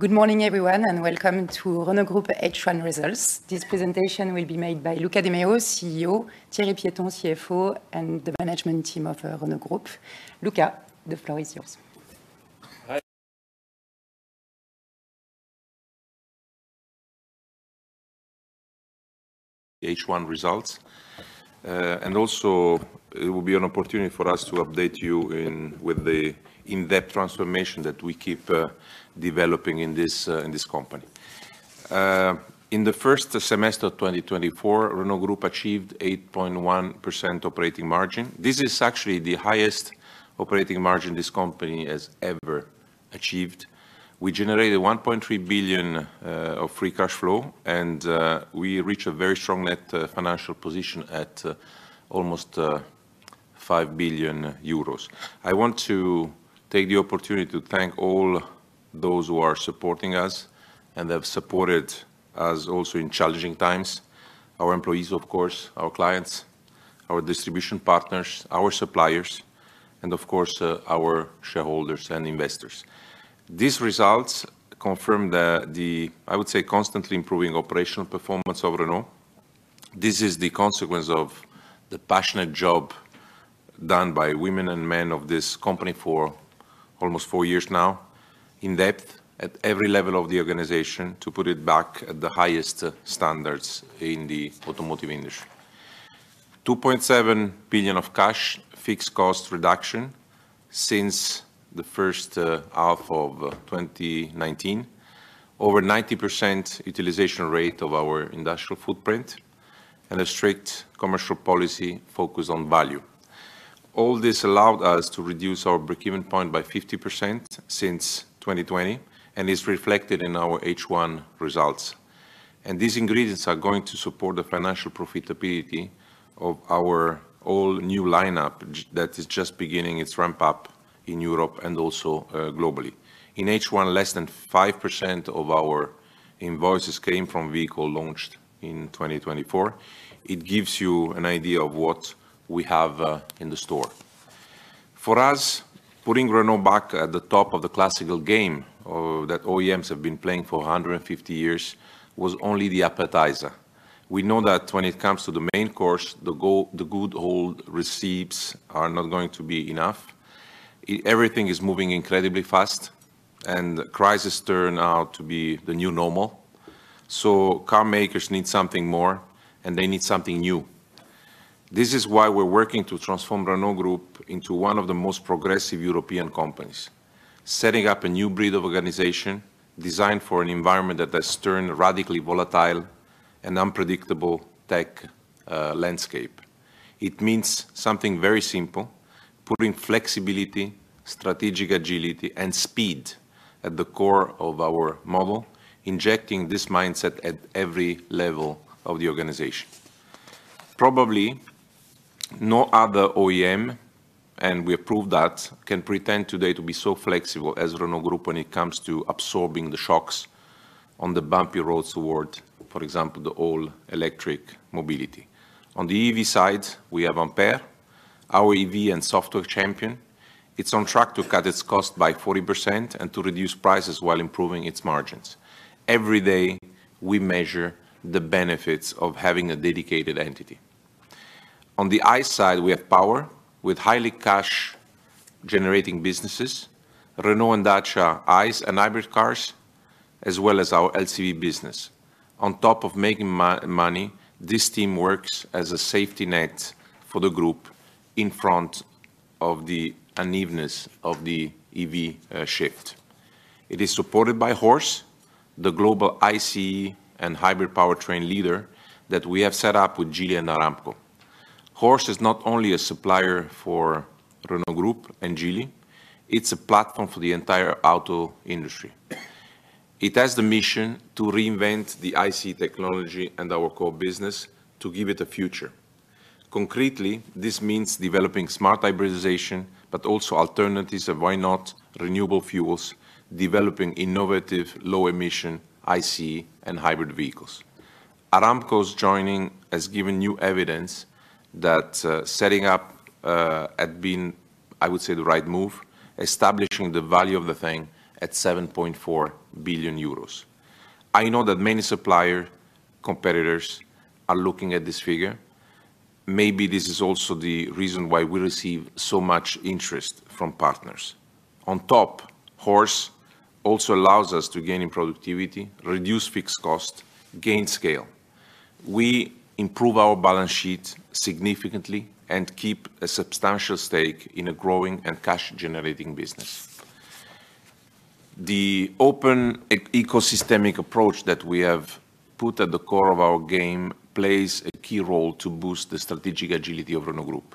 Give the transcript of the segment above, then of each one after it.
Good morning, everyone, and welcome to Renault Group H1 Results. This presentation will be made by Luca de Meo, CEO, Thierry Piéton, CFO, and the management team of Renault Group. Luca, the floor is yours. Hi, H1 results. And also, it will be an opportunity for us to update you with the in-depth transformation that we keep developing in this company. In the first semester of 2024, Renault Group achieved 8.1% operating margin. This is actually the highest operating margin this company has ever achieved. We generated 1.3 billion of free cash flow, and we reach a very strong net financial position at almost 5 billion euros. I want to take the opportunity to thank all those who are supporting us and have supported us also in challenging times: our employees, of course, our clients, our distribution partners, our suppliers, and of course, our shareholders and investors. These results confirm the, the, I would say, constantly improving operational performance of Renault. This is the consequence of the passionate job done by women and men of this company for almost four years now, in depth, at every level of the organization, to put it back at the highest standards in the automotive industry. 2.7 billion of cash, fixed cost reduction since the first half of 2019, over 90% utilization rate of our industrial footprint, and a strict commercial policy focused on value. All this allowed us to reduce our breakeven point by 50% since 2020, and is reflected in our H1 results. These ingredients are going to support the financial profitability of our all-new lineup that is just beginning its ramp up in Europe and also globally. In H1, less than 5% of our invoices came from vehicle launched in 2024. It gives you an idea of what we have in the store. For us, putting Renault back at the top of the classical game that OEMs have been playing for 150 years was only the appetizer. We know that when it comes to the main course, the good old recipes are not going to be enough. Everything is moving incredibly fast, and crises turn out to be the new normal. So car makers need something more, and they need something new. This is why we're working to transform Renault Group into one of the most progressive European companies, setting up a new breed of organization designed for an environment that has turned radically volatile and unpredictable tech landscape. It means something very simple: putting flexibility, strategic agility, and speed at the core of our model, injecting this mindset at every level of the organization. Probably, no other OEM, and we approve that, can pretend today to be so flexible as Renault Group when it comes to absorbing the shocks on the bumpy roads toward, for example, the all-electric mobility. On the EV side, we have Ampere, our EV and software champion. It's on track to cut its cost by 40% and to reduce prices while improving its margins. Every day, we measure the benefits of having a dedicated entity. On the ICE side, we have HORSE, with highly cash-generating businesses, Renault and Dacia ICE and hybrid cars, as well as our LCV business. On top of making money, this team works as a safety net for the group in front of the unevenness of the EV shift. It is supported by HORSE, the global ICE and hybrid powertrain leader that we have set up with Geely and Aramco. HORSE is not only a supplier for Renault Group and Geely, it's a platform for the entire auto industry. It has the mission to reinvent the ICE technology and our core business to give it a future. Concretely, this means developing smart hybridization, but also alternatives of, why not, renewable fuels, developing innovative, low-emission ICE and hybrid vehicles. Aramco's joining has given new evidence that, setting up, had been, I would say, the right move, establishing the value of the thing at 7.4 billion euros. I know that many supplier competitors are looking at this figure. Maybe this is also the reason why we receive so much interest from partners. On top, HORSE also allows us to gain in productivity, reduce fixed cost, gain scale. We improve our balance sheet significantly and keep a substantial stake in a growing and cash-generating business. The open e- ecosystemic approach that we have put at the core of our game plays a key role to boost the strategic agility of Renault Group.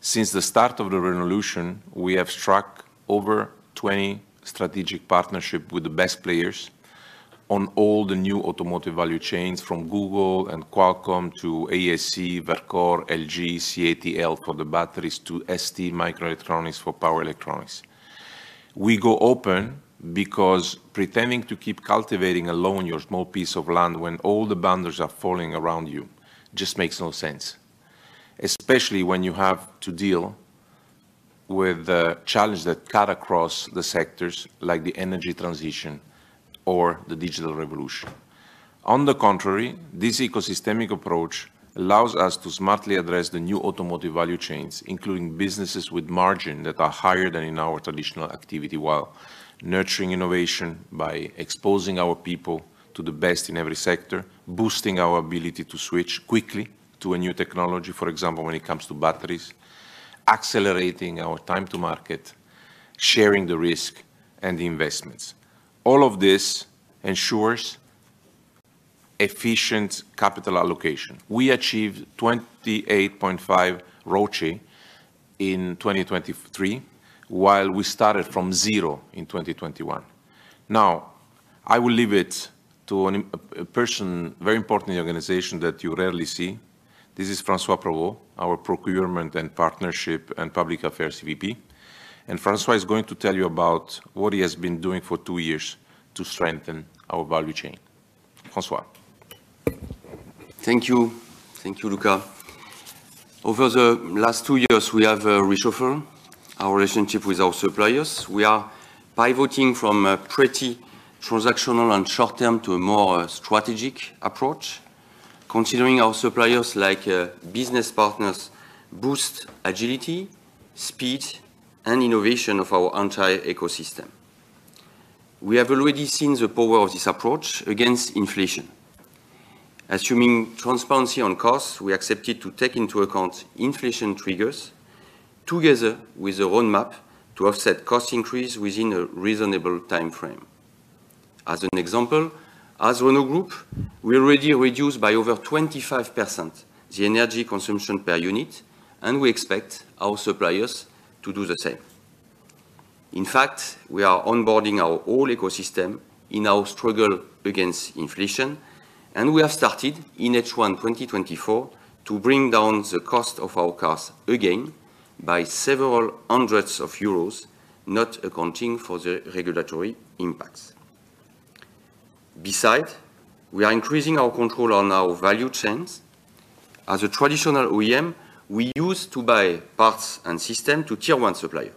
Since the start of the Renaulution, we have struck over 20 strategic partnership with the best players on all the new automotive value chains, from Google and Qualcomm to AESC, Verkor, LG, CATL for the batteries, to STMicroelectronics for power electronics. We go open because pretending to keep cultivating alone your small piece of land when all the boundaries are falling around you, just makes no sense, especially when you have to deal with the challenges that cut across the sectors, like the energy transition or the digital revolution. On the contrary, this ecosystemic approach allows us to smartly address the new automotive value chains, including businesses with margin that are higher than in our traditional activity, while nurturing innovation by exposing our people to the best in every sector, boosting our ability to switch quickly to a new technology, for example, when it comes to batteries, accelerating our time to market, sharing the risk and the investments. All of this ensures efficient capital allocation. We achieved 28.5 ROCE in 2023, while we started from zero in 2021. Now, I will leave it to a person very important in the organization that you rarely see. This is François Provost, our Procurement and Partnerships and Public Affairs VP, and François is going to tell you about what he has been doing for two years to strengthen our value chain. François? Thank you. Thank you, Luca. Over the last two years, we have reshuffled our relationship with our suppliers. We are pivoting from a pretty transactional and short-term to a more strategic approach. Considering our suppliers like business partners, boost agility, speed, and innovation of our entire ecosystem. We have already seen the power of this approach against inflation. Assuming transparency on costs, we accepted to take into account inflation triggers together with a roadmap to offset cost increase within a reasonable timeframe. As an example, as Renault Group, we already reduced by over 25% the energy consumption per unit, and we expect our suppliers to do the same. In fact, we are onboarding our whole ecosystem in our struggle against inflation, and we have started in H1 2024 to bring down the cost of our cars again by several hundreds of EUR, not accounting for the regulatory impacts. Besides, we are increasing our control on our value chains. As a traditional OEM, we used to buy parts and system to Tier 1 supplier.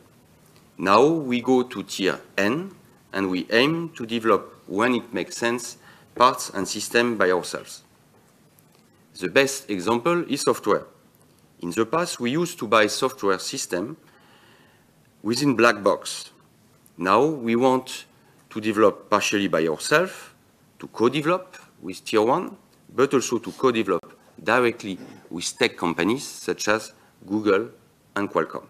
Now, we go to Tier N, and we aim to develop, when it makes sense, parts and system by ourselves. The best example is software. In the past, we used to buy software system within Black Box. Now, we want to develop partially by ourselves, to co-develop with Tier 1, but also to co-develop directly with tech companies such as Google and Qualcomm.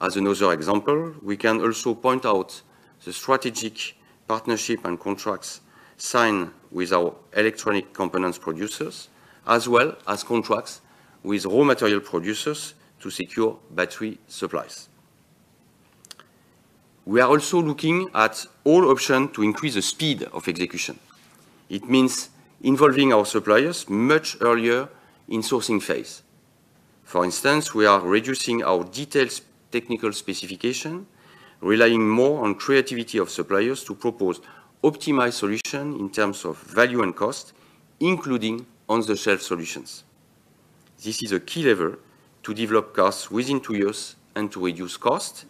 As another example, we can also point out the strategic partnership and contracts signed with our electronic components producers, as well as contracts with raw material producers to secure battery supplies. We are also looking at all options to increase the speed of execution. It means involving our suppliers much earlier in sourcing phase. For instance, we are reducing our detailed technical specification, relying more on creativity of suppliers to propose optimized solution in terms of value and cost, including off-the-shelf solutions. This is a key lever to develop cars within two years and to reduce cost,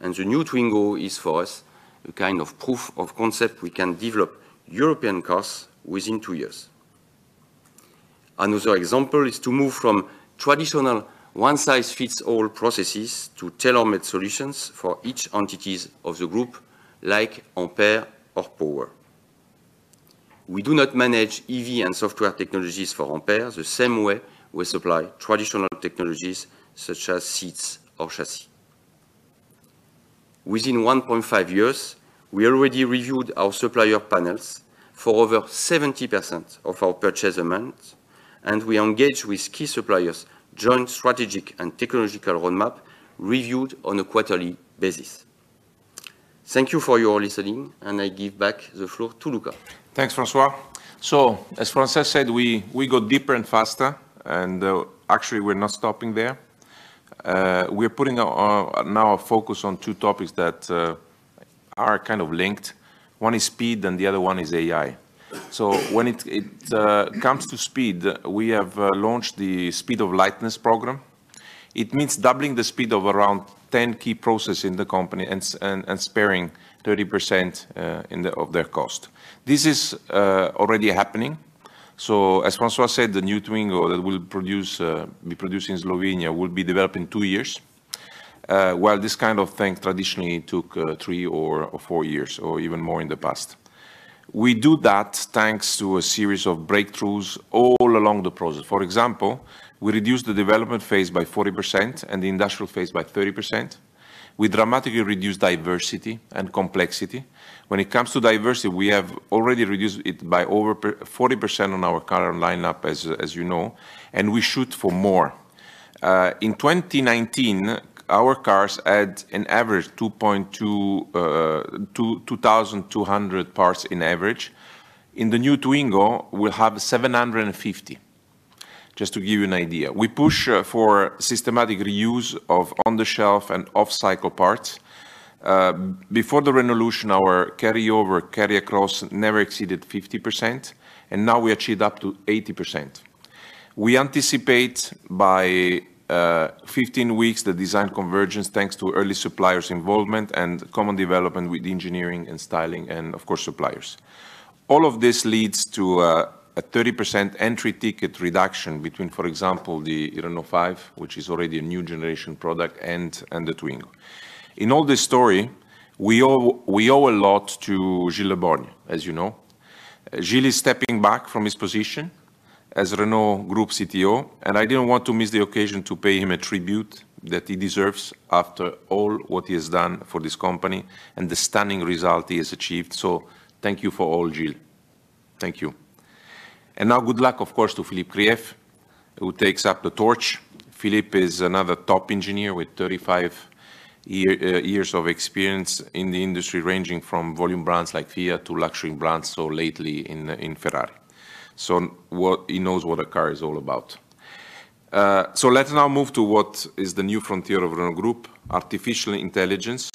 and the New Twingo is, for us, a kind of proof of concept we can develop European cars within two years. Another example is to move from traditional one-size-fits-all processes to tailor-made solutions for each entities of the group, like Ampere or HORSE. We do not manage EV and software technologies for Ampere the same way we supply traditional technologies, such as seats or chassis. Within 1.5 years, we already reviewed our supplier panels for over 70% of our purchase amounts, and we engaged with key suppliers, joint strategic and technological roadmap, reviewed on a quarterly basis. Thank you for your listening, and I give back the floor to Luca. Thanks, François. So, as François said, we go deeper and faster, and actually, we're not stopping there. We're putting our focus on two topics that are kind of linked. One is speed, and the other one is AI. So when it comes to speed, we have launched the Speed of Lightness program. It means doubling the speed of around 10 key processes in the company and sparing 30% of their cost. This is already happening. So as François said, the New Twingo that we'll produce be produced in Slovenia will be developed in two years, while this kind of thing traditionally took three or four years or even more in the past. We do that thanks to a series of breakthroughs all along the process. For example, we reduced the development phase by 40% and the industrial phase by 30%. We dramatically reduced diversity and complexity. When it comes to diversity, we have already reduced it by over 40% on our car lineup, as you know, and we shoot for more. In 2019, our cars had an average 2.2, 2,200 parts on average. In the New Twingo, we'll have 750, just to give you an idea. We push for systematic reuse of on-the-shelf and off-cycle parts. Before the revolution, our carryover, carry across never exceeded 50%, and now we achieved up to 80%. We anticipate by 15 weeks the design convergence, thanks to early suppliers' involvement and common development with engineering and styling, and of course, suppliers. All of this leads to a 30% entry ticket reduction between, for example, the Renault 5, which is already a new generation product, and the Twingo. In all this story, we owe a lot to Gilles Le Borgne, as you know. Gilles is stepping back from his position as Renault Group CTO, and I didn't want to miss the occasion to pay him a tribute that he deserves after all what he has done for this company and the stunning result he has achieved. So thank you for all, Gilles. Thank you. And now, good luck, of course, to Philippe Krief, who takes up the torch. Philippe is another top engineer with 35 years of experience in the industry, ranging from volume brands like Fiat to luxury brands, or lately in Ferrari. So He knows what a car is all about. So let's now move to what is the new frontier of Renault Group: artificial intelligence.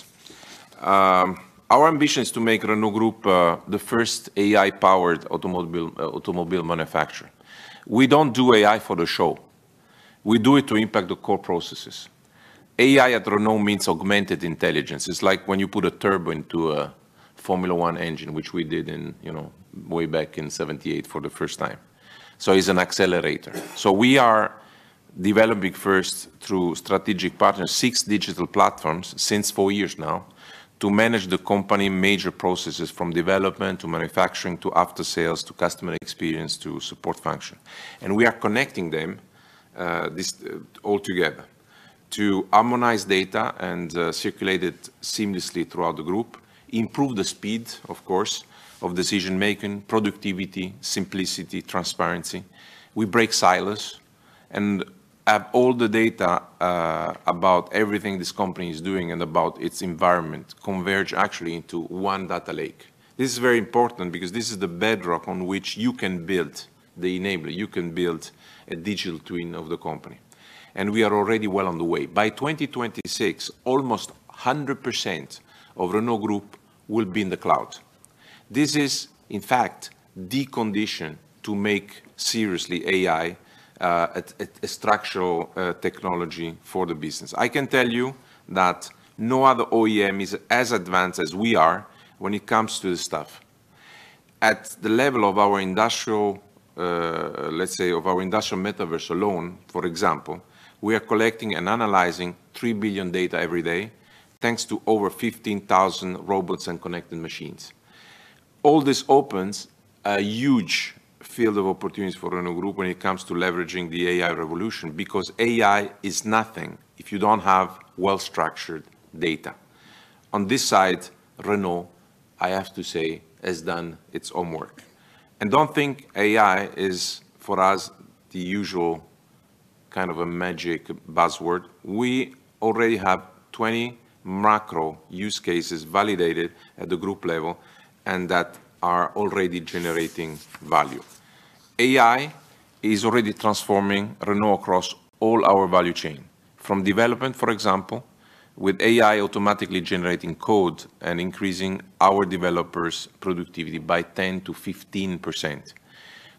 Our ambition is to make Renault Group the first AI-powered automobile manufacturer. We don't do AI for the show; we do it to impact the core processes. AI at Renault means augmented intelligence. It's like when you put a turbine to a Formula One engine, which we did in, you know, way back in 1978 for the first time. So it's an accelerator. So we are developing first through strategic partners 6 digital platforms since 4 years now to manage the company major processes from development to manufacturing to aftersales to customer experience to support function. We are connecting them all together to harmonize data and circulate it seamlessly throughout the group. Improve the speed, of course, of decision-making, productivity, simplicity, transparency. We break silos and have all the data about everything this company is doing and about its environment, converge actually into one data lake. This is very important because this is the bedrock on which you can build the enabler, you can build a digital twin of the company, and we are already well on the way. By 2026, almost 100% of Renault Group will be in the cloud. This is, in fact, the condition to make seriously AI a structural technology for the business. I can tell you that no other OEM is as advanced as we are when it comes to this stuff. At the level of our industrial, let's say, of our industrial metaverse alone, for example, we are collecting and analyzing 3 billion data every day, thanks to over 15,000 robots and connected machines. All this opens a huge field of opportunities for Renault Group when it comes to leveraging the AI revolution, because AI is nothing if you don't have well-structured data. On this side, Renault, I have to say, has done its homework. And don't think AI is, for us, the usual kind of a magic buzzword. We already have 20 macro use cases validated at the group level and that are already generating value. AI is already transforming Renault across all our value chain, from development, for example, with AI automatically generating code and increasing our developers' productivity by 10%-15%,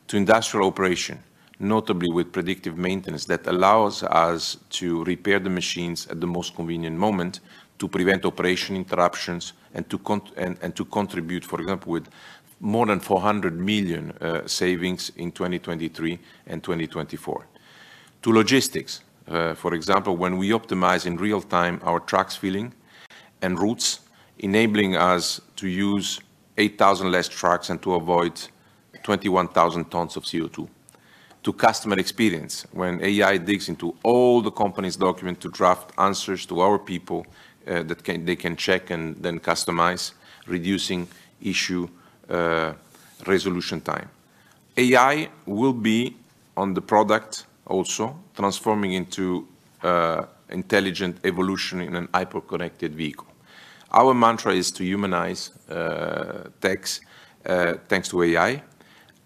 to industrial operation, notably with predictive maintenance that allows us to repair the machines at the most convenient moment to prevent operation interruptions and to contribute, for example, with more than 400 million savings in 2023 and 2024. To logistics, for example, when we optimize in real time our trucks filling and routes, enabling us to use 8,000 less trucks and to avoid 21,000 tons of CO2. To customer experience, when AI digs into all the company's document to draft answers to our people, that can, they can check and then customize, reducing issue resolution time. AI will be on the product also, transforming into intelligent evolution in an hyper-connected vehicle. Our mantra is to humanize techs thanks to AI,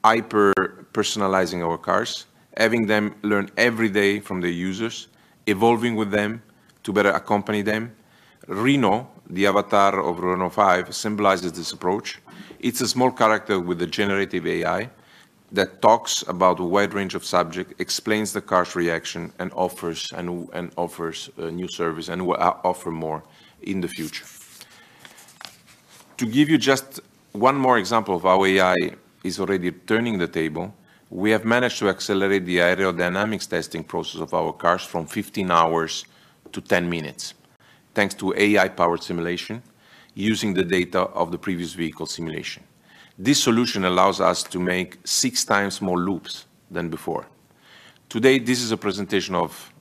hyper-personalizing our cars, having them learn every day from their users, evolving with them to better accompany them. Reno, the avatar of Renault 5, symbolizes this approach. It's a small character with a generative AI that talks about a wide range of subjects, explains the car's reaction, and offers new services, and will offer more in the future. To give you just one more example of how AI is already turning the tables, we have managed to accelerate the aerodynamics testing process of our cars from 15 hours to 10 minutes, thanks to AI-powered simulation using the data of the previous vehicle simulation. This solution allows us to make 6 times more loops than before. Today, this is a presentation of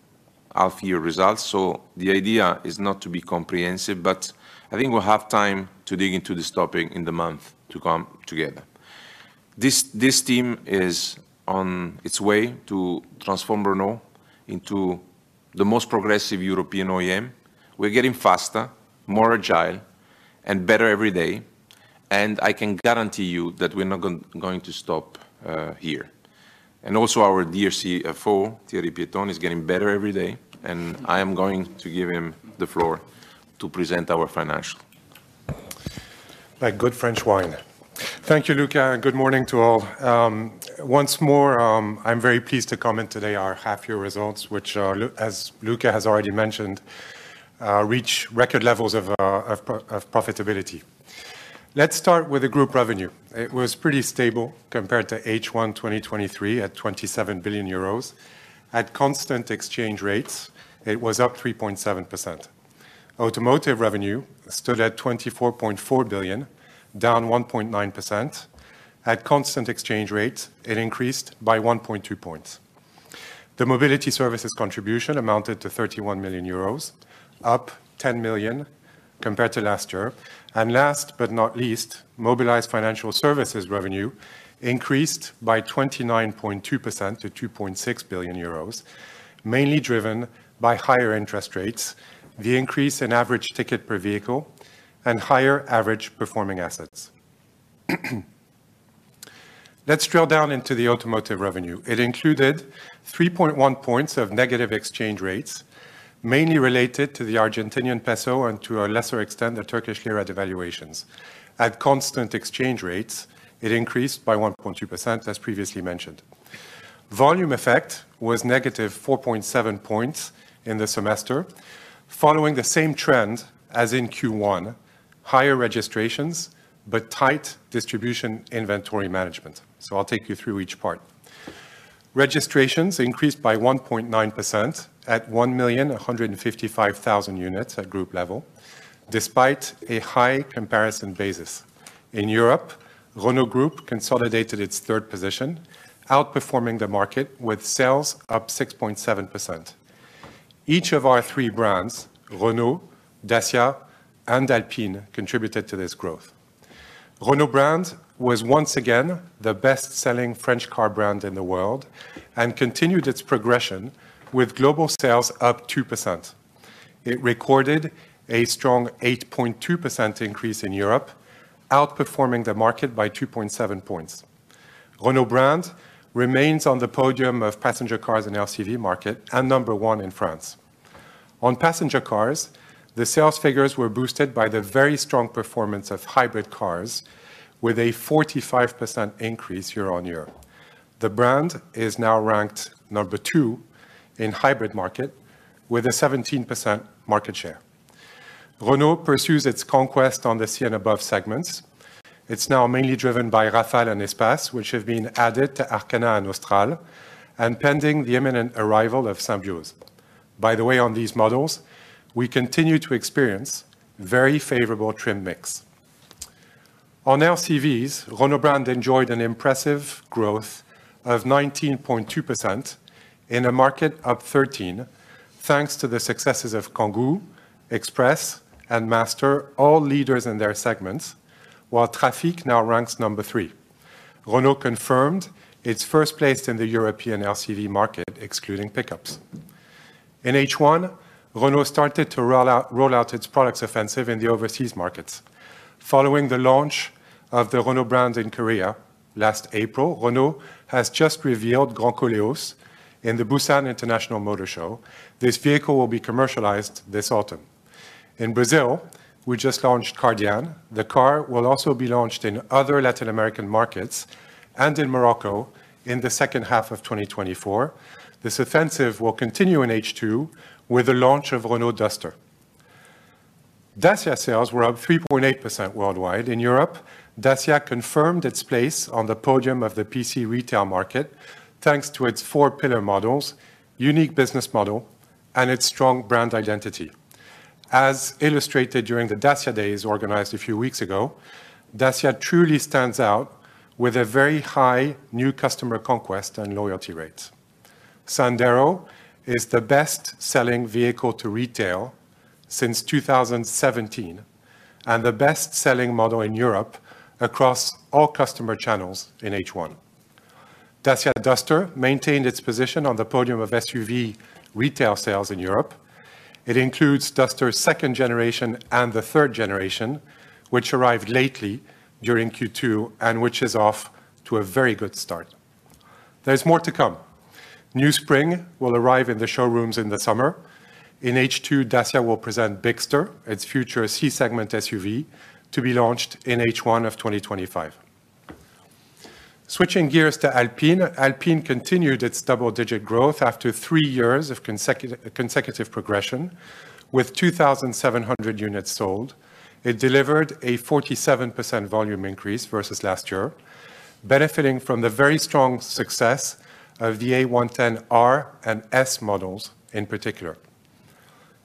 our half year results, so the idea is not to be comprehensive, but I think we'll have time to dig into this topic in the months to come together. This team is on its way to transform Renault into the most progressive European OEM. We're getting faster, more agile, and better every day... and I can guarantee you that we're not going to stop here. And also, our dear CFO, Thierry Piéton, is getting better every day, and I am going to give him the floor to present our financial. Like good French wine. Thank you, Luca, and good morning to all. Once more, I'm very pleased to comment today our half-year results, which, as Luca has already mentioned, reach record levels of profitability. Let's start with the group revenue. It was pretty stable compared to H1 2023, at 27 billion euros. At constant exchange rates, it was up 3.7%. Automotive revenue stood at 24.4 billion, down 1.9%. At constant exchange rates, it increased by 1.2 points. The Mobility Services contribution amounted to 31 million euros, up 10 million compared to last year. Last but not least, Mobilize Financial Services revenue increased by 29.2% to 2.6 billion euros, mainly driven by higher interest rates, the increase in average ticket per vehicle, and higher average performing assets. Let's drill down into the automotive revenue. It included 3.1 points of negative exchange rates, mainly related to the Argentine peso and, to a lesser extent, the Turkish lira devaluations. At constant exchange rates, it increased by 1.2%, as previously mentioned. Volume effect was -4.7 points in the semester, following the same trend as in Q1: higher registrations, but tight distribution inventory management. So I'll take you through each part. Registrations increased by 1.9% at 1,155,000 units at group level, despite a high comparison basis. In Europe, Renault Group consolidated its third position, outperforming the market, with sales up 6.7%. Each of our three brands, Renault, Dacia, and Alpine, contributed to this growth. Renault brand was once again the best-selling French car brand in the world and continued its progression, with global sales up 2%. It recorded a strong 8.2% increase in Europe, outperforming the market by 2.7 points. Renault brand remains on the podium of passenger cars in LCV market and number one in France. On passenger cars, the sales figures were boosted by the very strong performance of hybrid cars, with a 45% increase year on year. The brand is now ranked number two in hybrid market, with a 17% market share. Renault pursues its conquest on the C and above segments. It's now mainly driven by Rafale and Espace, which have been added to Arkana and Austral, and pending the imminent arrival of Symbioz. By the way, on these models, we continue to experience very favorable trim mix. On LCVs, Renault brand enjoyed an impressive growth of 19.2% in a market up 13%, thanks to the successes of Kangoo, Express, and Master, all leaders in their segments, while Trafic now ranks number 3. Renault confirmed its first place in the European LCV market, excluding pickups. In H1, Renault started to roll out its products offensive in the overseas markets. Following the launch of the Renault brand in Korea last April, Renault has just revealed Grand Koleos in the Busan International Motor Show. This vehicle will be commercialized this autumn. In Brazil, we just launched Kardian. The car will also be launched in other Latin American markets and in Morocco in the second half of 2024. This offensive will continue in H2 with the launch of Renault Duster. Dacia sales were up 3.8% worldwide. In Europe, Dacia confirmed its place on the podium of the PC retail market, thanks to its four pillar models, unique business model, and its strong brand identity. As illustrated during the Dacia Days, organized a few weeks ago, Dacia truly stands out with a very high new customer conquest and loyalty rates. Sandero is the best-selling vehicle to retail since 2017 and the best-selling model in Europe across all customer channels in H1. Dacia Duster maintained its position on the podium of SUV retail sales in Europe. It includes Duster's second generation and the third generation, which arrived lately during Q2 and which is off to a very good start. There's more to come. New Spring will arrive in the showrooms in the summer. In H2, Dacia will present Bigster, its future C-segment SUV, to be launched in H1 of 2025. Switching gears to Alpine, Alpine continued its double-digit growth after three years of consecutive progression, with 2,700 units sold. It delivered a 47% volume increase versus last year, benefiting from the very strong success of the A110 R and S models in particular.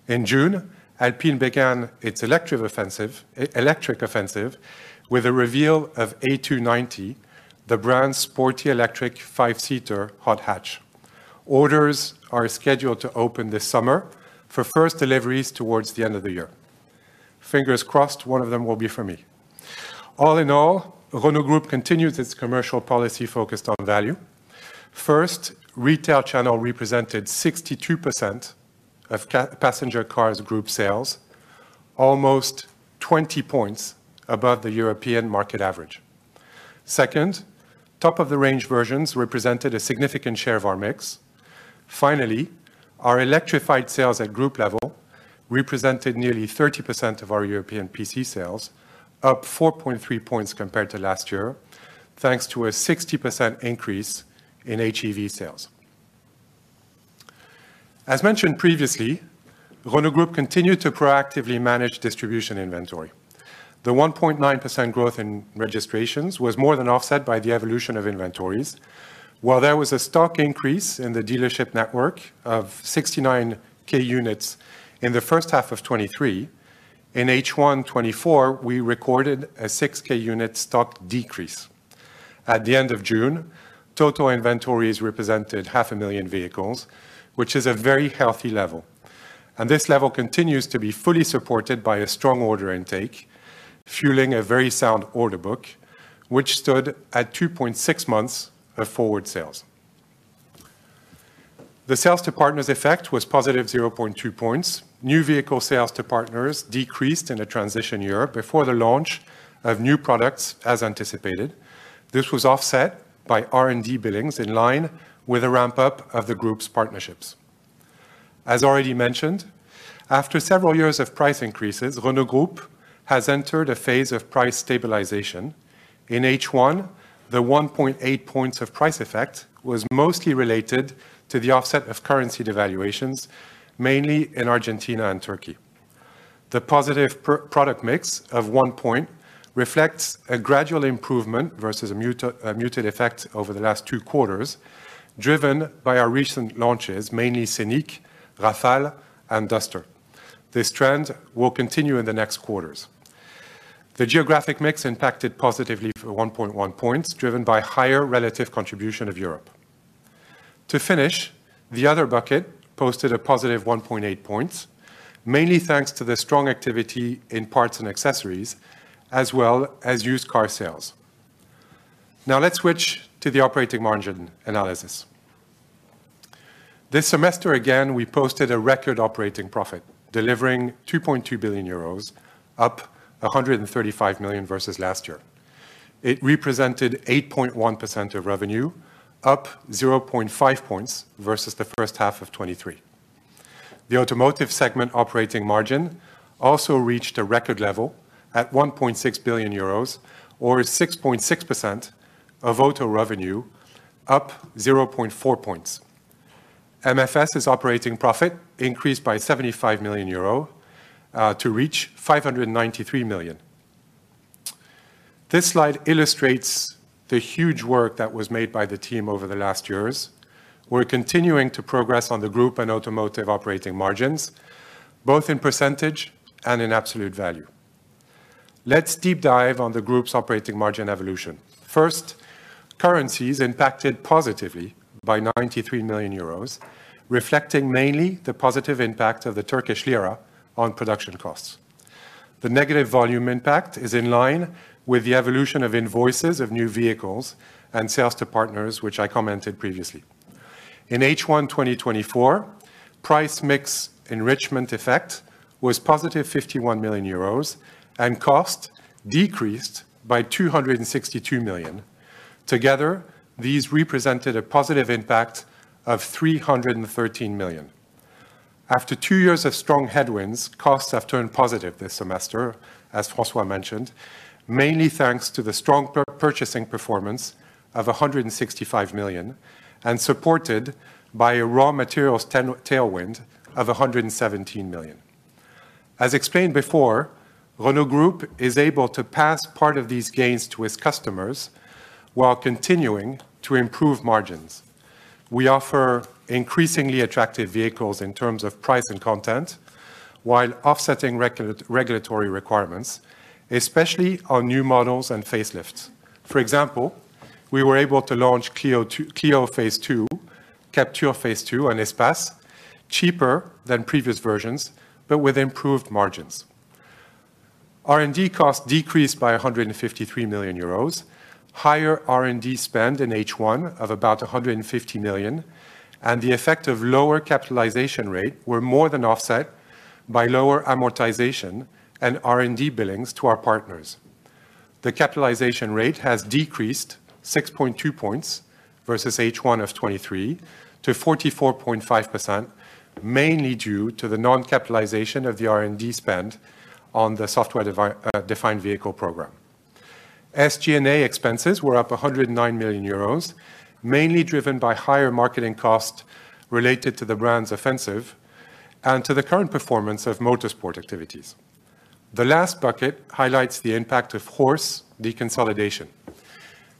In June, Alpine began its electric offensive with the reveal of A290, the brand's sporty electric five-seater hot hatch. Orders are scheduled to open this summer for first deliveries towards the end of the year. Fingers crossed one of them will be for me. All in all, Renault Group continues its commercial policy focused on value. First, retail channel represented 62% of passenger cars group sales, almost 20 points above the European market average. Second, top-of-the-range versions represented a significant share of our mix. Finally, our electrified sales at group level represented nearly 30% of our European PC sales, up 4.3 points compared to last year, thanks to a 60% increase in HEV sales. As mentioned previously, Renault Group continued to proactively manage distribution inventory. The 1.9% growth in registrations was more than offset by the evolution of inventories. While there was a stock increase in the dealership network of 69K units in the first half of 2023, in H1 2024, we recorded a 6K unit stock decrease. At the end of June, total inventories represented 500,000 vehicles, which is a very healthy level, and this level continues to be fully supported by a strong order intake, fueling a very sound order book, which stood at 2.6 months of forward sales. The sales to partners effect was positive 0.2 points. New vehicle sales to partners decreased in a transition year before the launch of new products, as anticipated. This was offset by R&D billings, in line with a ramp-up of the group's partnerships. As already mentioned, after several years of price increases, Renault Group has entered a phase of price stabilization. In H1, the 1.8 points of price effect was mostly related to the offset of currency devaluations, mainly in Argentina and Turkey. The positive product mix of 1 point reflects a gradual improvement versus a muted effect over the last two quarters, driven by our recent launches, mainly Scenic, Rafale, and Duster. This trend will continue in the next quarters. The geographic mix impacted positively for 1.1 points, driven by higher relative contribution of Europe. To finish, the other bucket posted a positive 1.8 points, mainly thanks to the strong activity in parts and accessories, as well as used car sales. Now, let's switch to the operating margin analysis. This semester, again, we posted a record operating profit, delivering 2.2 billion euros, up 135 million versus last year. It represented 8.1% of revenue, up 0.5 points versus the first half of 2023. The automotive segment operating margin also reached a record level at 1.6 billion euros, or 6.6% of auto revenue, up 0.4 points. MFS's operating profit increased by 75 million euro to reach 593 million. This slide illustrates the huge work that was made by the team over the last years. We're continuing to progress on the group and automotive operating margins, both in percentage and in absolute value. Let's deep dive on the group's operating margin evolution. First, currencies impacted positively by 93 million euros, reflecting mainly the positive impact of the Turkish lira on production costs. The negative volume impact is in line with the evolution of invoices of new vehicles and sales to partners, which I commented previously. In H1 2024, price mix enrichment effect was positive 51 million euros, and cost decreased by 262 million. Together, these represented a positive impact of 313 million. After two years of strong headwinds, costs have turned positive this semester, as François mentioned, mainly thanks to the strong purchasing performance of 165 million and supported by a raw materials tailwind of 117 million. As explained before, Renault Group is able to pass part of these gains to its customers while continuing to improve margins. We offer increasingly attractive vehicles in terms of price and content, while offsetting regulatory requirements, especially on new models and facelifts. For example, we were able to launch Clio Phase II, Captur Phase II, and Espace, cheaper than previous versions, but with improved margins. R&D costs decreased by 153 million euros. Higher R&D spend in H1 of about 150 million, and the effect of lower capitalization rate were more than offset by lower amortization and R&D billings to our partners. The capitalization rate has decreased 6.2 points versus H1 of 2023 to 44.5%, mainly due to the non-capitalization of the R&D spend on the Software Defined Vehicle program. SG&A expenses were up 109 million euros, mainly driven by higher marketing costs related to the brand's offensive and to the current performance of motorsport activities. The last bucket highlights the impact of HORSE deconsolidation.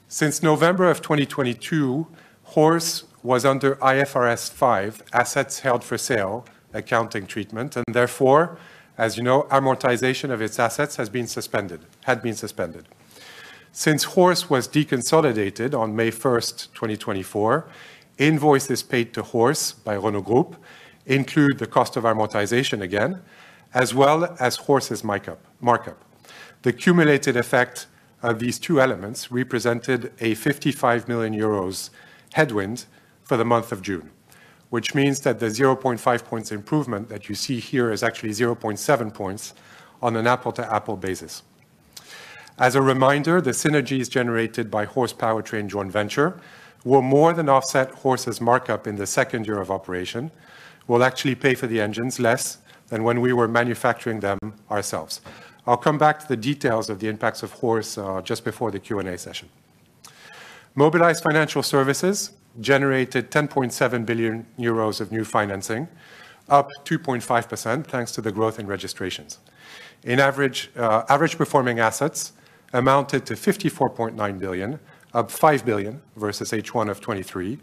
Since November of 2022, HORSE was under IFRS 5, assets held for sale, accounting treatment, and therefore, as you know, amortization of its assets had been suspended. Since HORSE was deconsolidated on May 1st, 2024, invoices paid to HORSE by Renault Group include the cost of amortization again, as well as HORSE's make-up, markup. The cumulative effect of these two elements represented a 55 million euros headwind for the month of June, which means that the 0.5 points improvement that you see here is actually 0.7 points on an apple-to-apple basis. As a reminder, the synergies generated by HORSE powertrain joint venture will more than offset HORSE's markup in the second year of operation. We'll actually pay for the engines less than when we were manufacturing them ourselves. I'll come back to the details of the impacts of HORSE just before the Q&A session. Mobilize Financial Services generated 10.7 billion euros of new financing, up 2.5%, thanks to the growth in registrations. On average, average-performing assets amounted to 54.9 billion, up 5 billion versus H1 of 2023,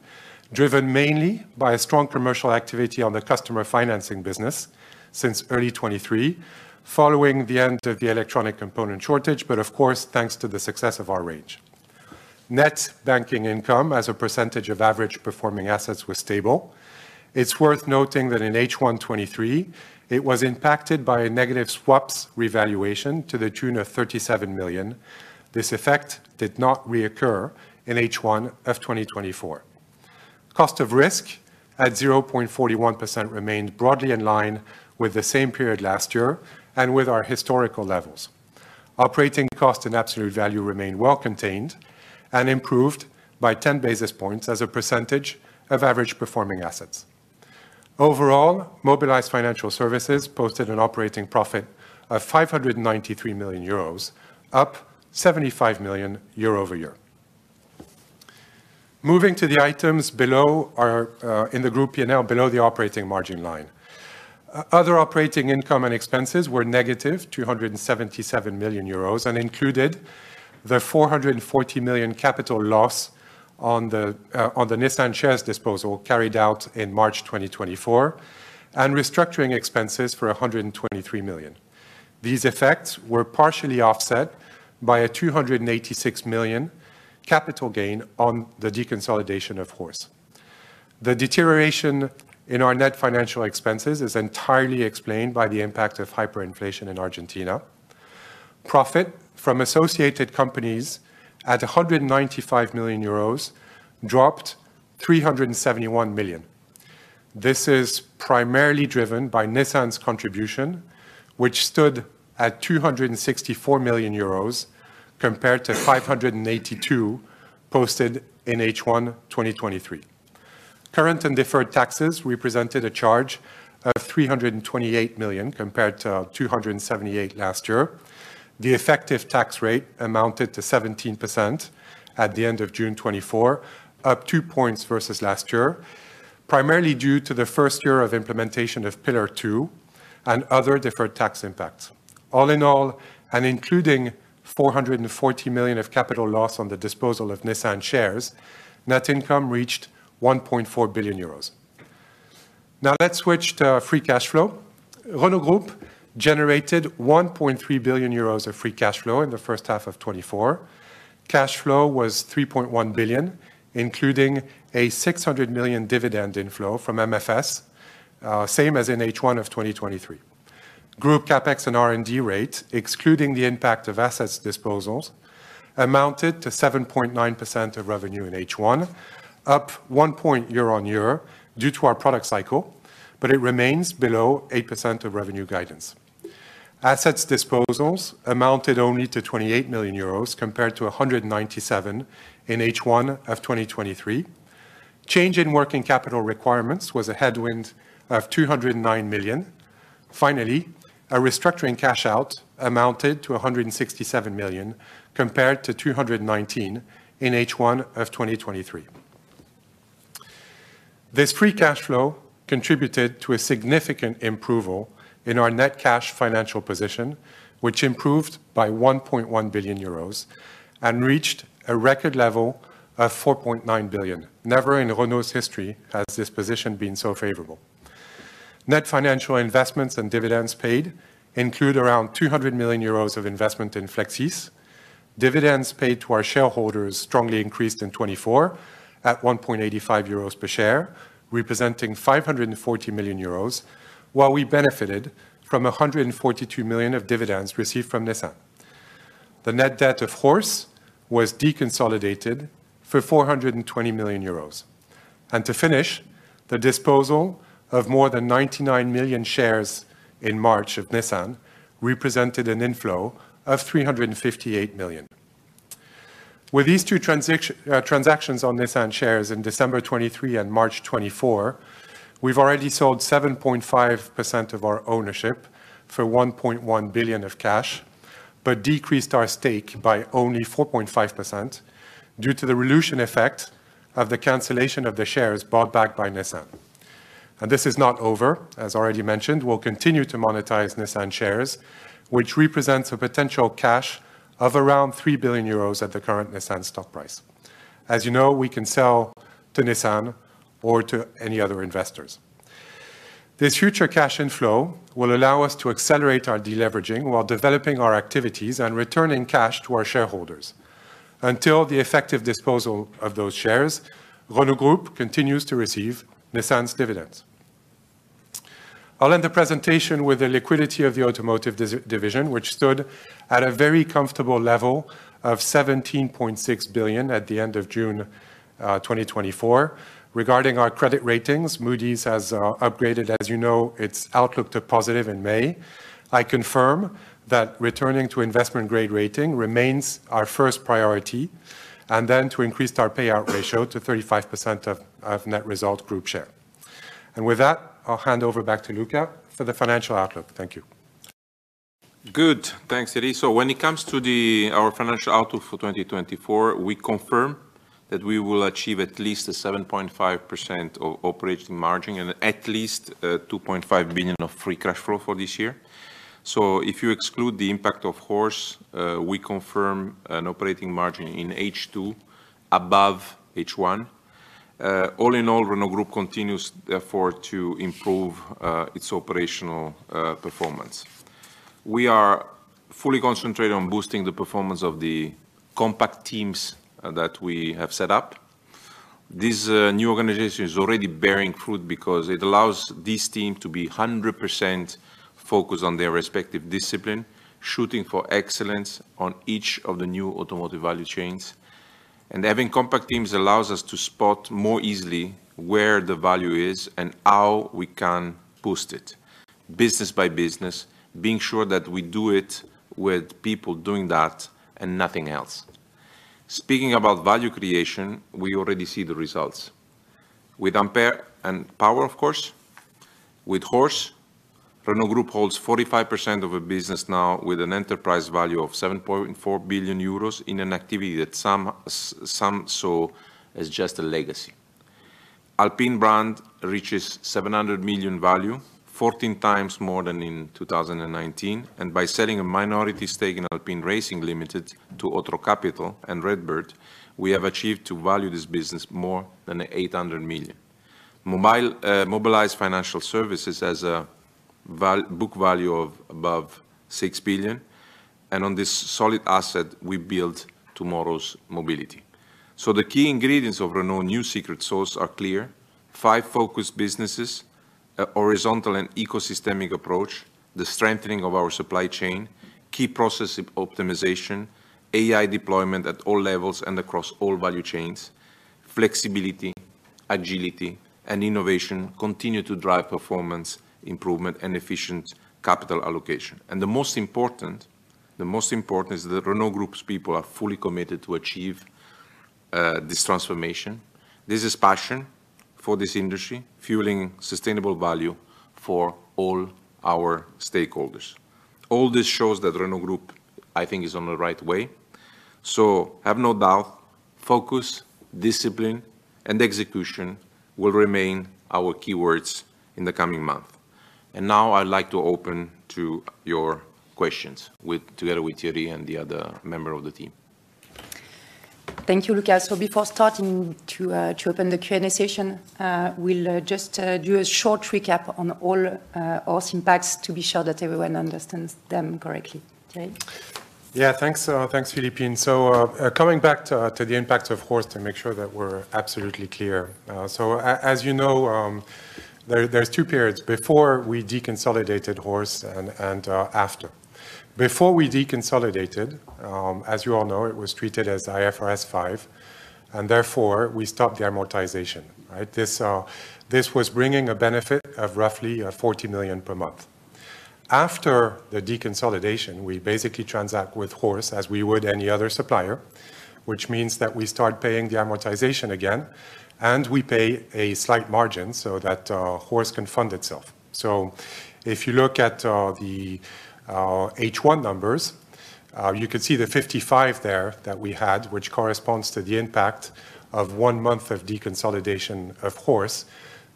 driven mainly by a strong commercial activity on the customer financing business since early 2023, following the end of the electronic component shortage, but of course, thanks to the success of our range. Net banking income as a percentage of average performing assets was stable. It's worth noting that in H1 2023, it was impacted by a negative swaps revaluation to the tune of 37 million. This effect did not reoccur in H1 of 2024. Cost of risk at 0.41% remained broadly in line with the same period last year and with our historical levels. Operating costs in absolute value remained well contained and improved by 10 basis points as a percentage of average performing assets. Overall, Mobilize Financial Services posted an operating profit of 593 million euros, up 75 million year-over-year. Moving to the items below are in the group P&L, below the operating margin line. Other operating income and expenses were negative 277 million euros, and included the 440 million capital loss on the Nissan shares disposal carried out in March 2024, and restructuring expenses for 123 million. These effects were partially offset by a 286 million capital gain on the deconsolidation, of course. The deterioration in our net financial expenses is entirely explained by the impact of hyperinflation in Argentina. Profit from associated companies at 195 million euros, dropped 371 million. This is primarily driven by Nissan's contribution, which stood at 264 million euros, compared to 582 posted in H1 2023. Current and deferred taxes represented a charge of 328 million, compared to 278 million last year. The effective tax rate amounted to 17% at the end of June 2024, up 2 points versus last year, primarily due to the first year of implementation of Pillar Two and other deferred tax impacts. All in all, and including 440 million of capital loss on the disposal of Nissan shares, net income reached 1.4 billion euros. Now, let's switch to free cash flow. Renault Group generated 1.3 billion euros of free cash flow in the first half of 2024. Cash flow was 3.1 billion, including a 600 million dividend inflow from MFS, same as in H1 of 2023. Group CapEx and R&D rate, excluding the impact of assets disposals, amounted to 7.9% of revenue in H1, up 1 point year-on-year due to our product cycle, but it remains below 8% of revenue guidance. Assets disposals amounted only to 28 million euros, compared to 197 million in H1 of 2023. Change in working capital requirements was a headwind of 209 million. Finally, a restructuring cash out amounted to 167 million, compared to 219 million in H1 of 2023. This free cash flow contributed to a significant improvement in our net cash financial position, which improved by 1.1 billion euros and reached a record level of 4.9 billion. Never in Renault's history has this position been so favorable. Net financial investments and dividends paid include around 200 million euros of investment in Flexis. Dividends paid to our shareholders strongly increased in 2024, at 1.85 euros per share, representing 540 million euros, while we benefited from 142 million of dividends received from Nissan. The net debt, of HORSE, was deconsolidated for 420 million euros. And to finish, the disposal of more than 99 million shares in March of Nissan represented an inflow of 358 million. With these two transactions on Nissan shares in December 2023 and March 2024, we've already sold 7.5% of our ownership for 1.1 billion of cash, but decreased our stake by only 4.5% due to the dilution effect of the cancellation of the shares bought back by Nissan. This is not over. As already mentioned, we'll continue to monetize Nissan shares, which represents a potential cash of around 3 billion euros at the current Nissan stock price. As you know, we can sell to Nissan or to any other investors. This future cash inflow will allow us to accelerate our deleveraging while developing our activities and returning cash to our shareholders. Until the effective disposal of those shares, Renault Group continues to receive Nissan's dividends. I'll end the presentation with the liquidity of the automotive division, which stood at a very comfortable level of 17.6 billion at the end of June 2024. Regarding our credit ratings, Moody's has upgraded, as you know, its outlook to positive in May. I confirm that returning to investment grade rating remains our first priority, and then to increase our payout ratio to 35% of net result group share. And with that, I'll hand over back to Luca for the financial outlook. Thank you. Good. Thanks, Thierry. So when it comes to our financial outlook for 2024, we confirm that we will achieve at least a 7.5% operating margin and at least 2.5 billion of free cash flow for this year. So if you exclude the impact of HORSE, we confirm an operating margin in H2 above H1. All in all, Renault Group continues therefore to improve its operational performance. We are fully concentrated on boosting the performance of the compact teams that we have set up. This new organization is already bearing fruit because it allows this team to be 100% focused on their respective discipline, shooting for excellence on each of the new automotive value chains. And having compact teams allows us to spot more easily where the value is and how we can boost it, business by business, being sure that we do it with people doing that and nothing else. Speaking about value creation, we already see the results. With Ampere and Power, of course, with HORSE, Renault Group holds 45% of a business now with an enterprise value of 7.4 billion euros in an activity that some saw as just a legacy. Alpine brand reaches 700 million value, 14 times more than in 2019, and by setting a minority stake in Alpine Racing Limited to Otro Capital and RedBird, we have achieved to value this business more than 800 million. Mobilize Financial Services has a book value of above 6 billion, and on this solid asset, we build tomorrow's mobility. So the key ingredients of Renault new secret sauce are clear: five focused businesses, a horizontal and ecosystemic approach, the strengthening of our supply chain, key process optimization, AI deployment at all levels and across all value chains. Flexibility, agility, and innovation continue to drive performance improvement and efficient capital allocation. And the most important, the most important is that Renault Group's people are fully committed to achieve this transformation. This is passion for this industry, fueling sustainable value for all our stakeholders. All this shows that Renault Group, I think, is on the right way. So have no doubt, focus, discipline, and execution will remain our keywords in the coming month. And now I'd like to open to your questions with, together with Thierry and the other member of the team. Thank you, Luca. Before starting to open the Q&A session, we'll just do a short recap on all HORSE impacts to be sure that everyone understands them correctly. Thierry? Yeah, thanks, thanks, Philippine. So, coming back to the impact of HORSE to make sure that we're absolutely clear. So as you know, there's two periods: before we deconsolidated HORSE and after. Before we deconsolidated, as you all know, it was treated as IFRS 5, and therefore, we stopped the amortization, right? This was bringing a benefit of roughly 40 million per month. After the deconsolidation, we basically transact with HORSE as we would any other supplier, which means that we start paying the amortization again, and we pay a slight margin so that HORSE can fund itself. So if you look at the H1 numbers, you can see the 55 there that we had, which corresponds to the impact of one month of deconsolidation of HORSE.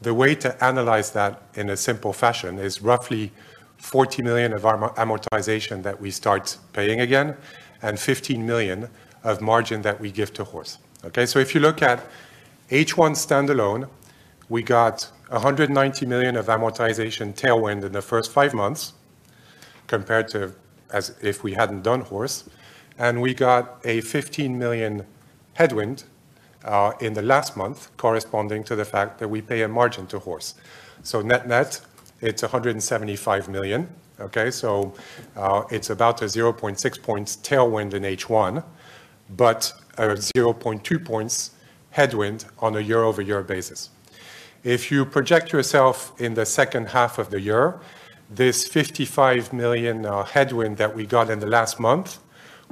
The way to analyze that in a simple fashion is roughly 40 million of amortization that we start paying again, and 15 million of margin that we give to HORSE, okay? So if you look at H1 standalone, we got 190 million of amortization tailwind in the first five months compared to as if we hadn't done HORSE, and we got a 15 million headwind in the last month, corresponding to the fact that we pay a margin to HORSE. So net-net, it's 175 million, okay? So, it's about a 0.6 points tailwind in H1, but a 0.2 points headwind on a year-over-year basis. If you project yourself in the second half of the year, this 55 million headwind that we got in the last month,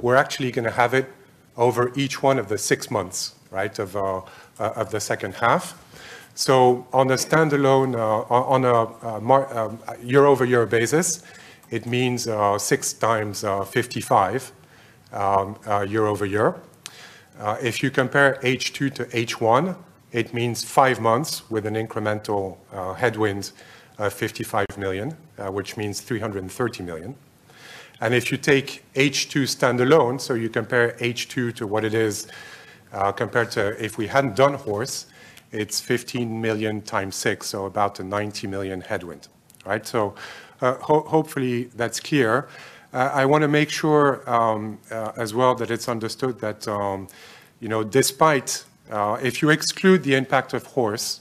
we're actually gonna have it over each one of the six months, right, of the second half. So on a standalone, on a year-over-year basis, it means six times 55 year-over-year. If you compare H2 to H1, it means five months with an incremental headwind of 55 million, which means 330 million. And if you take H2 standalone, so you compare H2 to what it is compared to if we hadn't done HORSE, it's 15 million times six, so about a 90 million headwind, right? So, hopefully, that's clear. I want to make sure, as well, that it's understood that, you know, despite, if you exclude the impact of HORSE,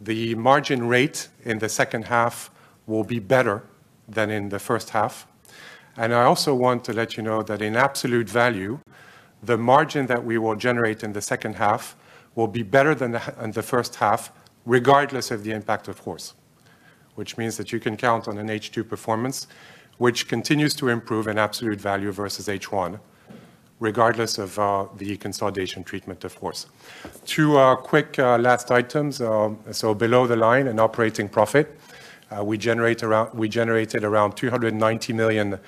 the margin rate in the second half will be better than in the first half. And I also want to let you know that in absolute value, the margin that we will generate in the second half will be better than in the first half, regardless of the impact of HORSE. Which means that you can count on an H2 performance, which continues to improve in absolute value versus H1, regardless of, the consolidation treatment, of course. Two, quick, last items. So below the line, in operating profit, we generated around 290 million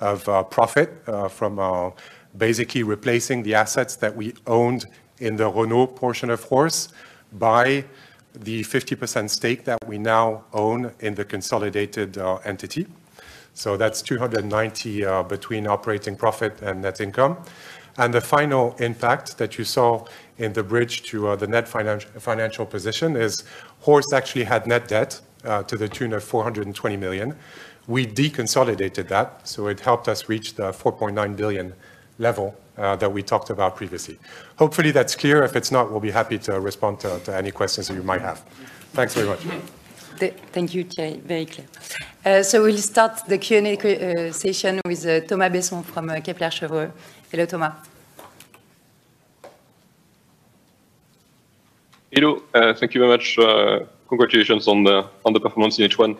of profit from basically replacing the assets that we owned in the Renault portion of HORSE by the 50% stake that we now own in the consolidated entity. So that's 290 million between operating profit and net income. And the final impact that you saw in the bridge to the net financial position is, HORSE actually had net debt to the tune of 420 million. We deconsolidated that, so it helped us reach the 4.9 billion level that we talked about previously. Hopefully, that's clear. If it's not, we'll be happy to respond to any questions you might have. Thanks very much. Thank you, Thierry. Very clear. We'll start the Q&A session with Thomas Besson from Kepler Cheuvreux. Hello, Thomas. Hello, thank you very much. Congratulations on the performance in H1.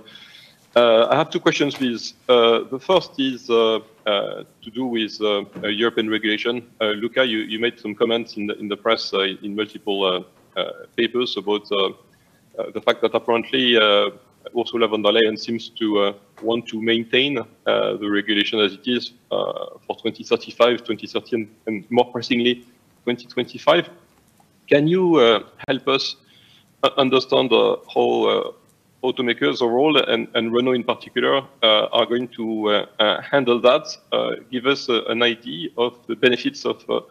I have two questions, please. The first is to do with European regulation. Luca, you made some comments in the press in multiple papers about the fact that apparently Ursula von der Leyen seems to want to maintain the regulation as it is for 2035, 2030 and more pressingly, 2025. Can you help us understand how automakers overall and Renault in particular are going to handle that? Give us an idea of the benefits of the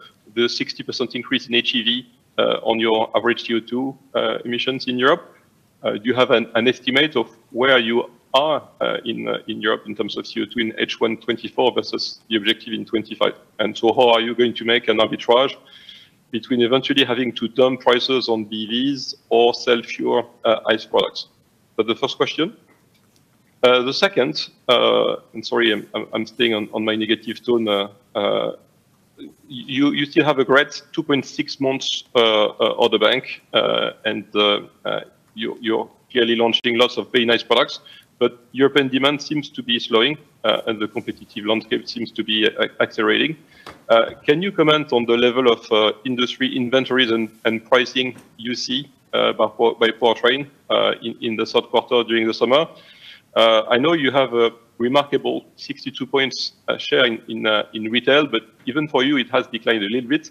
60% increase in HEV on your average CO2 emissions in Europe. Do you have an estimate of where you are in Europe in terms of CO2 in H1 2024 versus the objective in 2025? And so how are you going to make an arbitrage between eventually having to dump prices on EVs or sell your ICE products? That's the first question. The second, and sorry, I'm staying on my negative tone. You still have a great 2.6 months order bank, and you're clearly launching lots of very nice products, but European demand seems to be slowing, and the competitive landscape seems to be accelerating. Can you comment on the level of industry inventories and pricing you see by powertrain in the third quarter during the summer? I know you have a remarkable 62-point share in retail, but even for you, it has declined a little bit.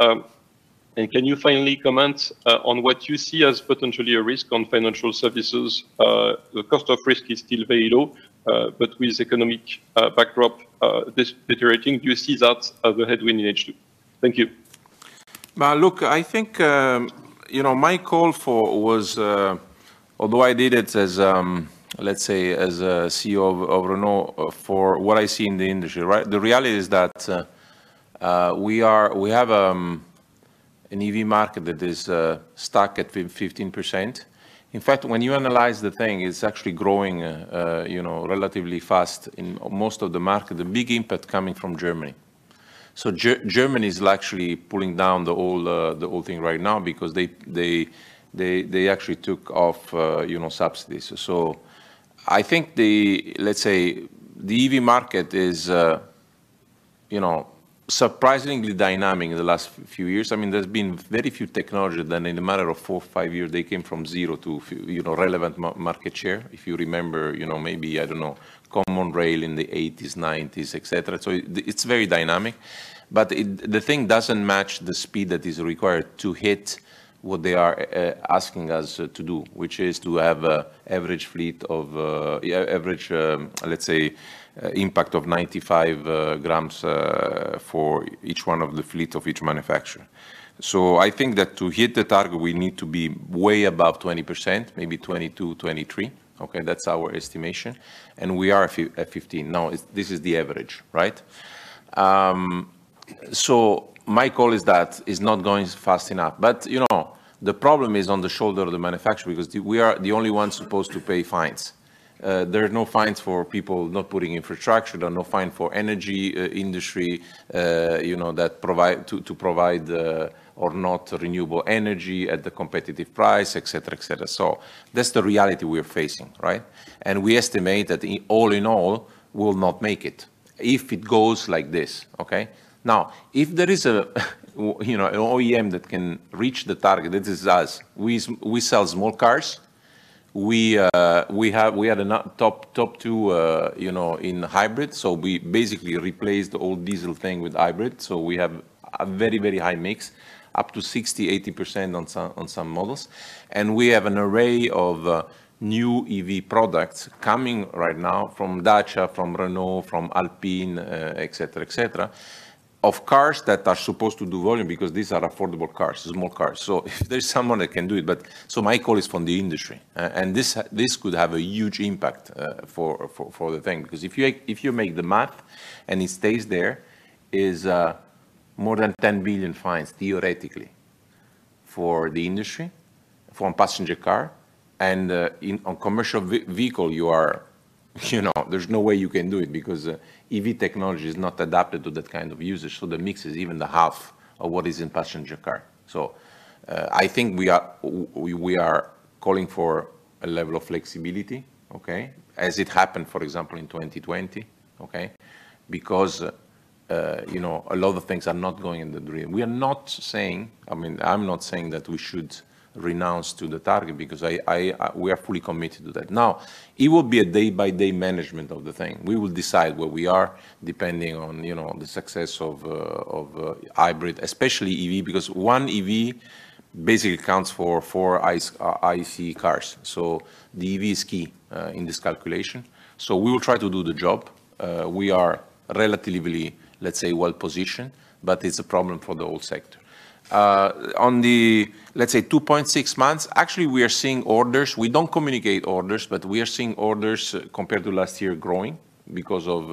Can you finally comment on what you see as potentially a risk on financial services? The cost of risk is still very low, but with economic backdrop deteriorating, do you see that as a headwind in H2? Thank you. Well, look, I think, you know, my call for was, although I did it as, let's say, as a CEO of Renault, for what I see in the industry, right? The reality is that we have an EV market that is stuck at 15%. In fact, when you analyze the thing, it's actually growing, you know, relatively fast in most of the market, the big impact coming from Germany. So Germany is actually pulling down the whole, the whole thing right now because they actually took off, you know, subsidies. So I think the, Let's say, the EV market is, you know, surprisingly dynamic in the last few years. I mean, there's been very few technologies that in a matter of four or five years, they came from zero to, you know, relevant market share. If you remember, you know, maybe, I don't know, common rail in the 1980s, 1990s, etc. So it, it's very dynamic, but the thing doesn't match the speed that is required to hit what they are asking us to do, which is to have average fleet of, yeah, average, let's say, impact of 95 grams for each one of the fleet of each manufacturer. So I think that to hit the target, we need to be way above 20%, maybe 22, 23. Okay, that's our estimation, and we are at 15. Now, this is the average, right? So my call is that it's not going fast enough. But, you know, the problem is on the shoulders of the manufacturer, because we are the only ones supposed to pay fines. There are no fines for people not putting infrastructure. There are no fines for energy industry, you know, that provide or not renewable energy at the competitive price, et cetera, et cetera. So that's the reality we are facing, right? And we estimate that all in all, we'll not make it if it goes like this, okay? Now, if there is a, you know, an OEM that can reach the target, this is us. We sell small cars. We had a top two, you know, in hybrid, so we basically replaced the old diesel thing with hybrid. So we have a very very high mix, up to 60%, 80% on some, on some models. And we have an array of new EV products coming right now from Dacia, from Renault, from Alpine, et cetera, et cetera, of cars that are supposed to do volume because these are affordable cars, small cars. So if there's someone that can do it, but, So my call is from the industry, and this, this could have a huge impact for the thing, because if you, if you make the math and it stays there, is more than 10 billion fines, theoretically. For the industry, for a passenger car, and in on commercial vehicle, you know, there's no way you can do it because EV technology is not adapted to that kind of usage, so the mix is even the half of what is in passenger car. So, I think we are, we are calling for a level of flexibility, okay? As it happened, for example, in 2020, okay? Because, you know, a lot of things are not going in the dream. We are not saying, I mean, I'm not saying that we should renounce to the target because I, we are fully committed to that. Now, it will be a day-by-day management of the thing. We will decide where we are, depending on, you know, the success of hybrid, especially EV, because one EV basically accounts for four IC cars. So the EV is key in this calculation. So we will try to do the job. We are relatively, let's say, well-positioned, but it's a problem for the whole sector. On the, let's say, 2.6 months, actually, we are seeing orders. We don't communicate orders, but we are seeing orders, compared to last year, growing because of,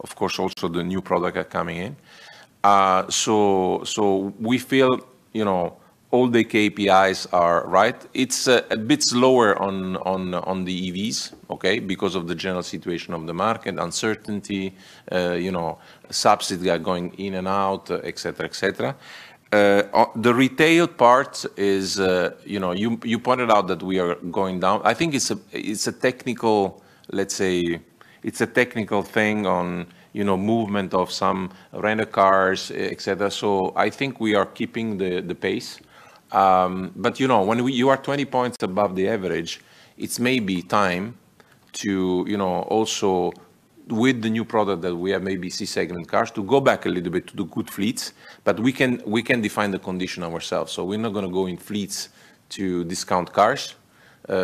of course, also the new product are coming in. So we feel, you know, all the KPIs are right. It's a bit slower on the EVs, okay? Because of the general situation of the market, uncertainty, you know, subsidy are going in and out, et cetera, et cetera. The retail part is, you know, you pointed out that we are going down. I think it's a technical thing, let's say, on, you know, movement of some rental cars, et cetera. So I think we are keeping the pace. But, you know, when you are 20 points above the average, it may be time to, you know, also, with the new product that we have, maybe C-segment cars, to go back a little bit to do good fleets, but we can define the condition ourselves. So we're not gonna go in fleets to discount cars.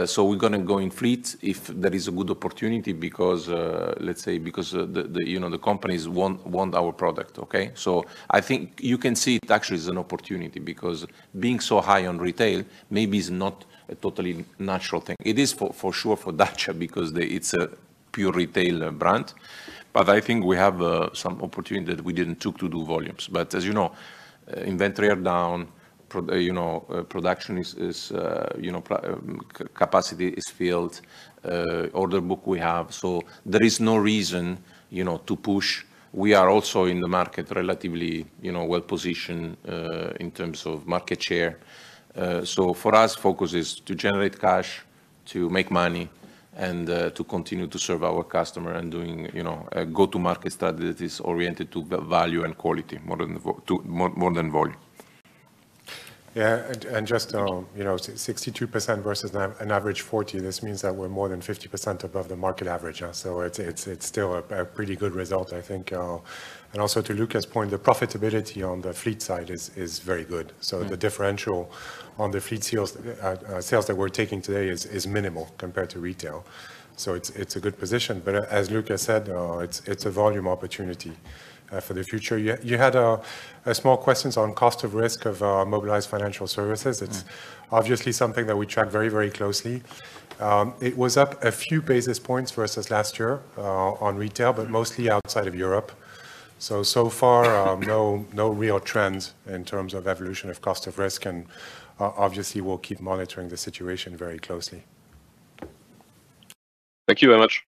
So we're gonna go in fleets if there is a good opportunity because, let's say, because the, you know, the companies want our product, okay? So I think you can see it actually as an opportunity, because being so high on retail maybe is not a totally natural thing. It is for sure for Dacia because it's a pure retail brand, but I think we have some opportunity that we didn't took to do volumes. But as you know, inventory are down, production capacity is filled, order book we have, so there is no reason, you know, to push. We are also in the market relatively, you know, well-positioned in terms of market share. So for us, focus is to generate cash, to make money, and to continue to serve our customer and doing, you know, a go-to-market strategy that is oriented to value and quality more than volume. Yeah, and just, you know, 62% versus an average 40, this means that we're more than 50% above the market average, so it's still a pretty good result, I think. And also, to Luca's point, the profitability on the fleet side is very good. So the differential on the fleet sales, sales that we're taking today is minimal compared to retail, so it's a good position. But, as Luca said, it's a volume opportunity for the future. You had a small question on cost of risk of our Mobilize Financial Services. It's obviously something that we track very, very closely. It was up a few basis points versus last year, on retail but mostly outside of Europe. So, so far, no real trend in terms of evolution of cost of risk, and obviously, we'll keep monitoring the situation very closely. Thank you very much.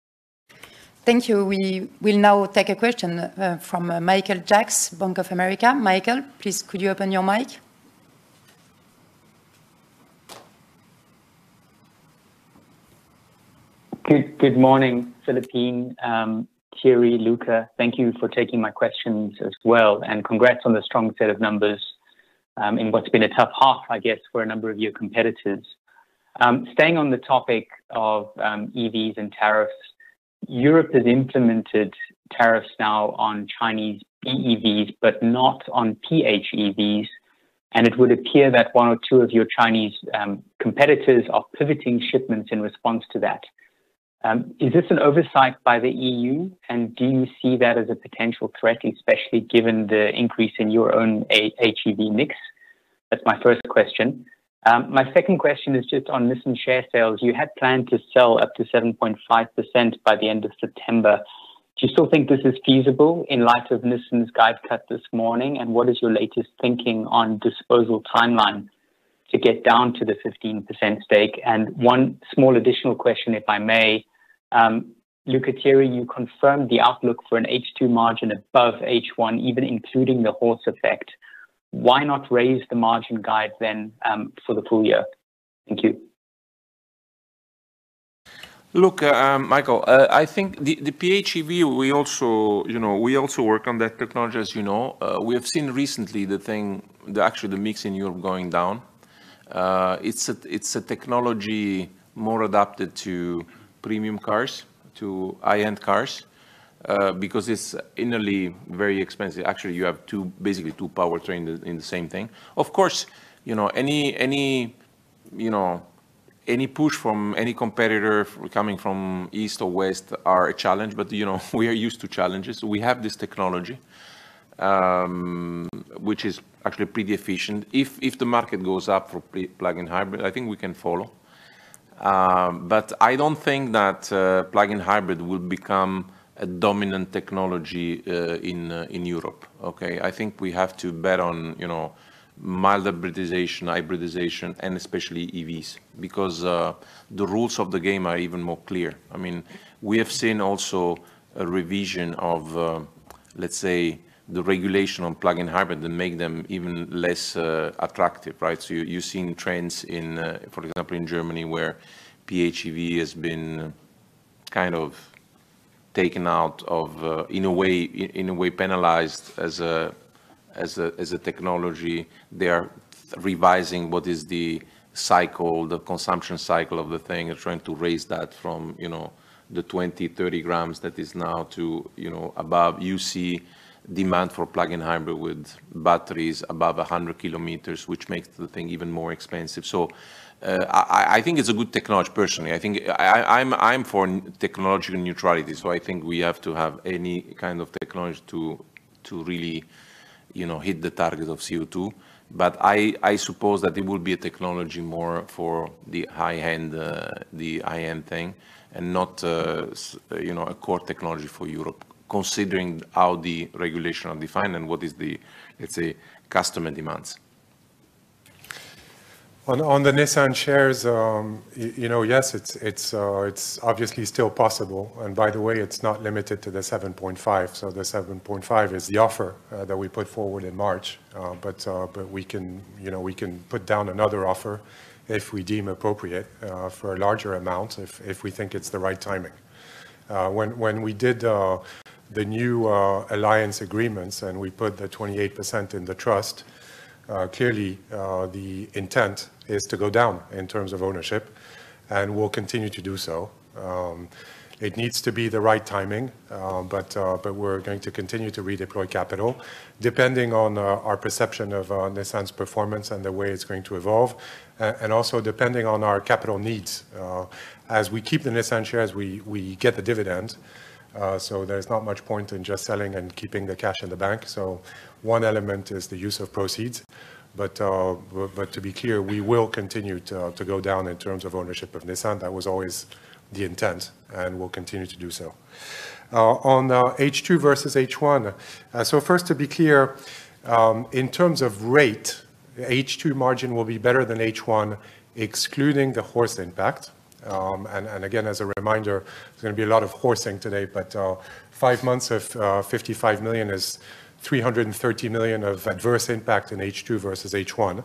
Thank you. We will now take a question from Michael Jacks, Bank of America. Michael, please, could you open your mic? Good morning, Philippine, Thierry, Luca. Thank you for taking my questions as well, and congrats on the strong set of numbers, in what's been a tough half, I guess, for a number of your competitors. Staying on the topic of EVs and tariffs, Europe has implemented tariffs now on Chinese BEVs, but not on PHEVs, and it would appear that one or two of your Chinese competitors are pivoting shipments in response to that. Is this an oversight by the EU, and do you see that as a potential threat, especially given the increase in your own HEV mix? That's my first question. My second question is just on Nissan share sales. You had planned to sell up to 7.5% by the end of September. Do you still think this is feasible in light of Nissan's guide cut this morning, and what is your latest thinking on disposal timeline to get down to the 15% stake? And one small additional question, if I may. Luca, Thierry, you confirmed the outlook for an H2 margin above H1, even including the HORSE effect. Why not raise the margin guide then, for the full year? Thank you. Look, Michael, I think the PHEV, we also, you know, we also work on that technology, as you know. We have seen recently actually the mix in Europe going down. It's a technology more adapted to premium cars, to high-end cars, because it's innately very expensive. Actually, you have two, basically two powertrains in the same thing. Of course, you know, any push from any competitor coming from east or west are a challenge, but, you know, we are used to challenges. We have this technology, which is actually pretty efficient. If the market goes up for plug-in hybrid, I think we can follow. But I don't think that plug-in hybrid will become a dominant technology in Europe, okay? I think we have to bet on, you know, mild hybridization, hybridization, and especially EVs, because the rules of the game are even more clear. I mean, we have seen also a revision of, let's say, the regulation on plug-in hybrid that make them even less attractive, right? So you're seeing trends in, for example, in Germany, where PHEV has been kind of taken out of... In a way, in a way, penalized as a technology. They are revising what is the cycle, the consumption cycle of the thing, and trying to raise that from the 20-30 grams that is now to above. You see demand for plug-in hybrid with batteries above 100 km, which makes the thing even more expensive. So, I think it's a good technology personally. I think I'm for technological neutrality, so I think we have to have any kind of technology to really, you know, hit the target of CO2. But I suppose that it will be a technology more for the high-end, the high-end thing, and not, you know, a core technology for Europe, considering how the regulation are defined and what is the, let's say, customer demands. On the Nissan shares, you know, yes, it's obviously still possible, and by the way, it's not limited to the 7.5. So the 7.5 is the offer that we put forward in March. But we can, you know, we can put down another offer if we deem appropriate for a larger amount, if we think it's the right timing. When we did the new alliance agreements and we put the 28% in the trust, clearly the intent is to go down in terms of ownership, and we'll continue to do so. It needs to be the right timing, but we're going to continue to redeploy capital, depending on our perception of Nissan's performance and the way it's going to evolve, and also depending on our capital needs. As we keep the Nissan shares, we get the dividend, so there's not much point in just selling and keeping the cash in the bank. So one element is the use of proceeds, but to be clear, we will continue to go down in terms of ownership of Nissan. That was always the intent, and we'll continue to do so. On H2 versus H1, so first, to be clear, in terms of rate, H2 margin will be better than H1, excluding the HORSE impact. And again, as a reminder, there's going to be a lot of horsing today, but five months of fifty-five million is three hundred and thirty million of adverse impact in H2 versus H1.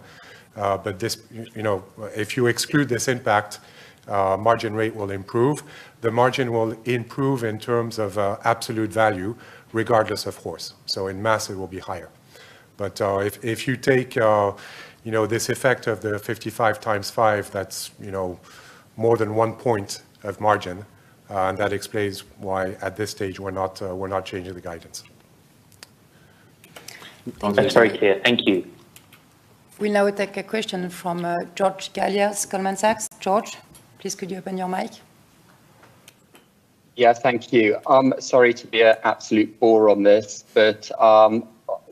But this, you know, if you exclude this impact, margin rate will improve. The margin will improve in terms of absolute value, regardless of HORSE, so in mass, it will be higher. But if you take, you know, this effect of the 55 x 5, that's, you know, more than one point of margin, and that explains why at this stage we're not, we're not changing the guidance. That's very clear. Thank you. We'll now take a question from, George Galliers, Goldman Sachs. George, please, could you open your mic? Yeah, thank you. I'm sorry to be an absolute bore on this, but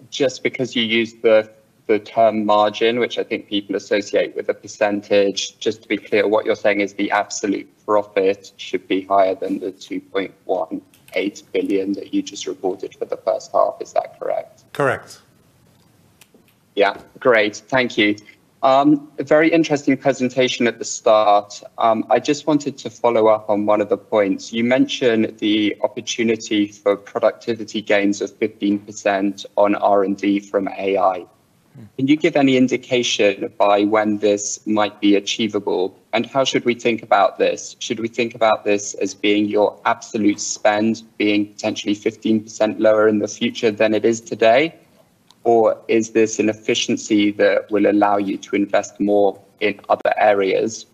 just because you used the term margin, which I think people associate with a percentage, just to be clear, what you're saying is the absolute profit should be higher than the 2.18 billion that you just reported for the first half. Is that correct? Correct. Yeah. Great. Thank you. A very interesting presentation at the start. I just wanted to follow up on one of the points. You mentioned the opportunity for productivity gains of 15% on R&D from AI. Can you give any indication by when this might be achievable, and how should we think about this? Should we think about this as being your absolute spend, being potentially 15% lower in the future than it is today, or is this an efficiency that will allow you to invest more in other areas?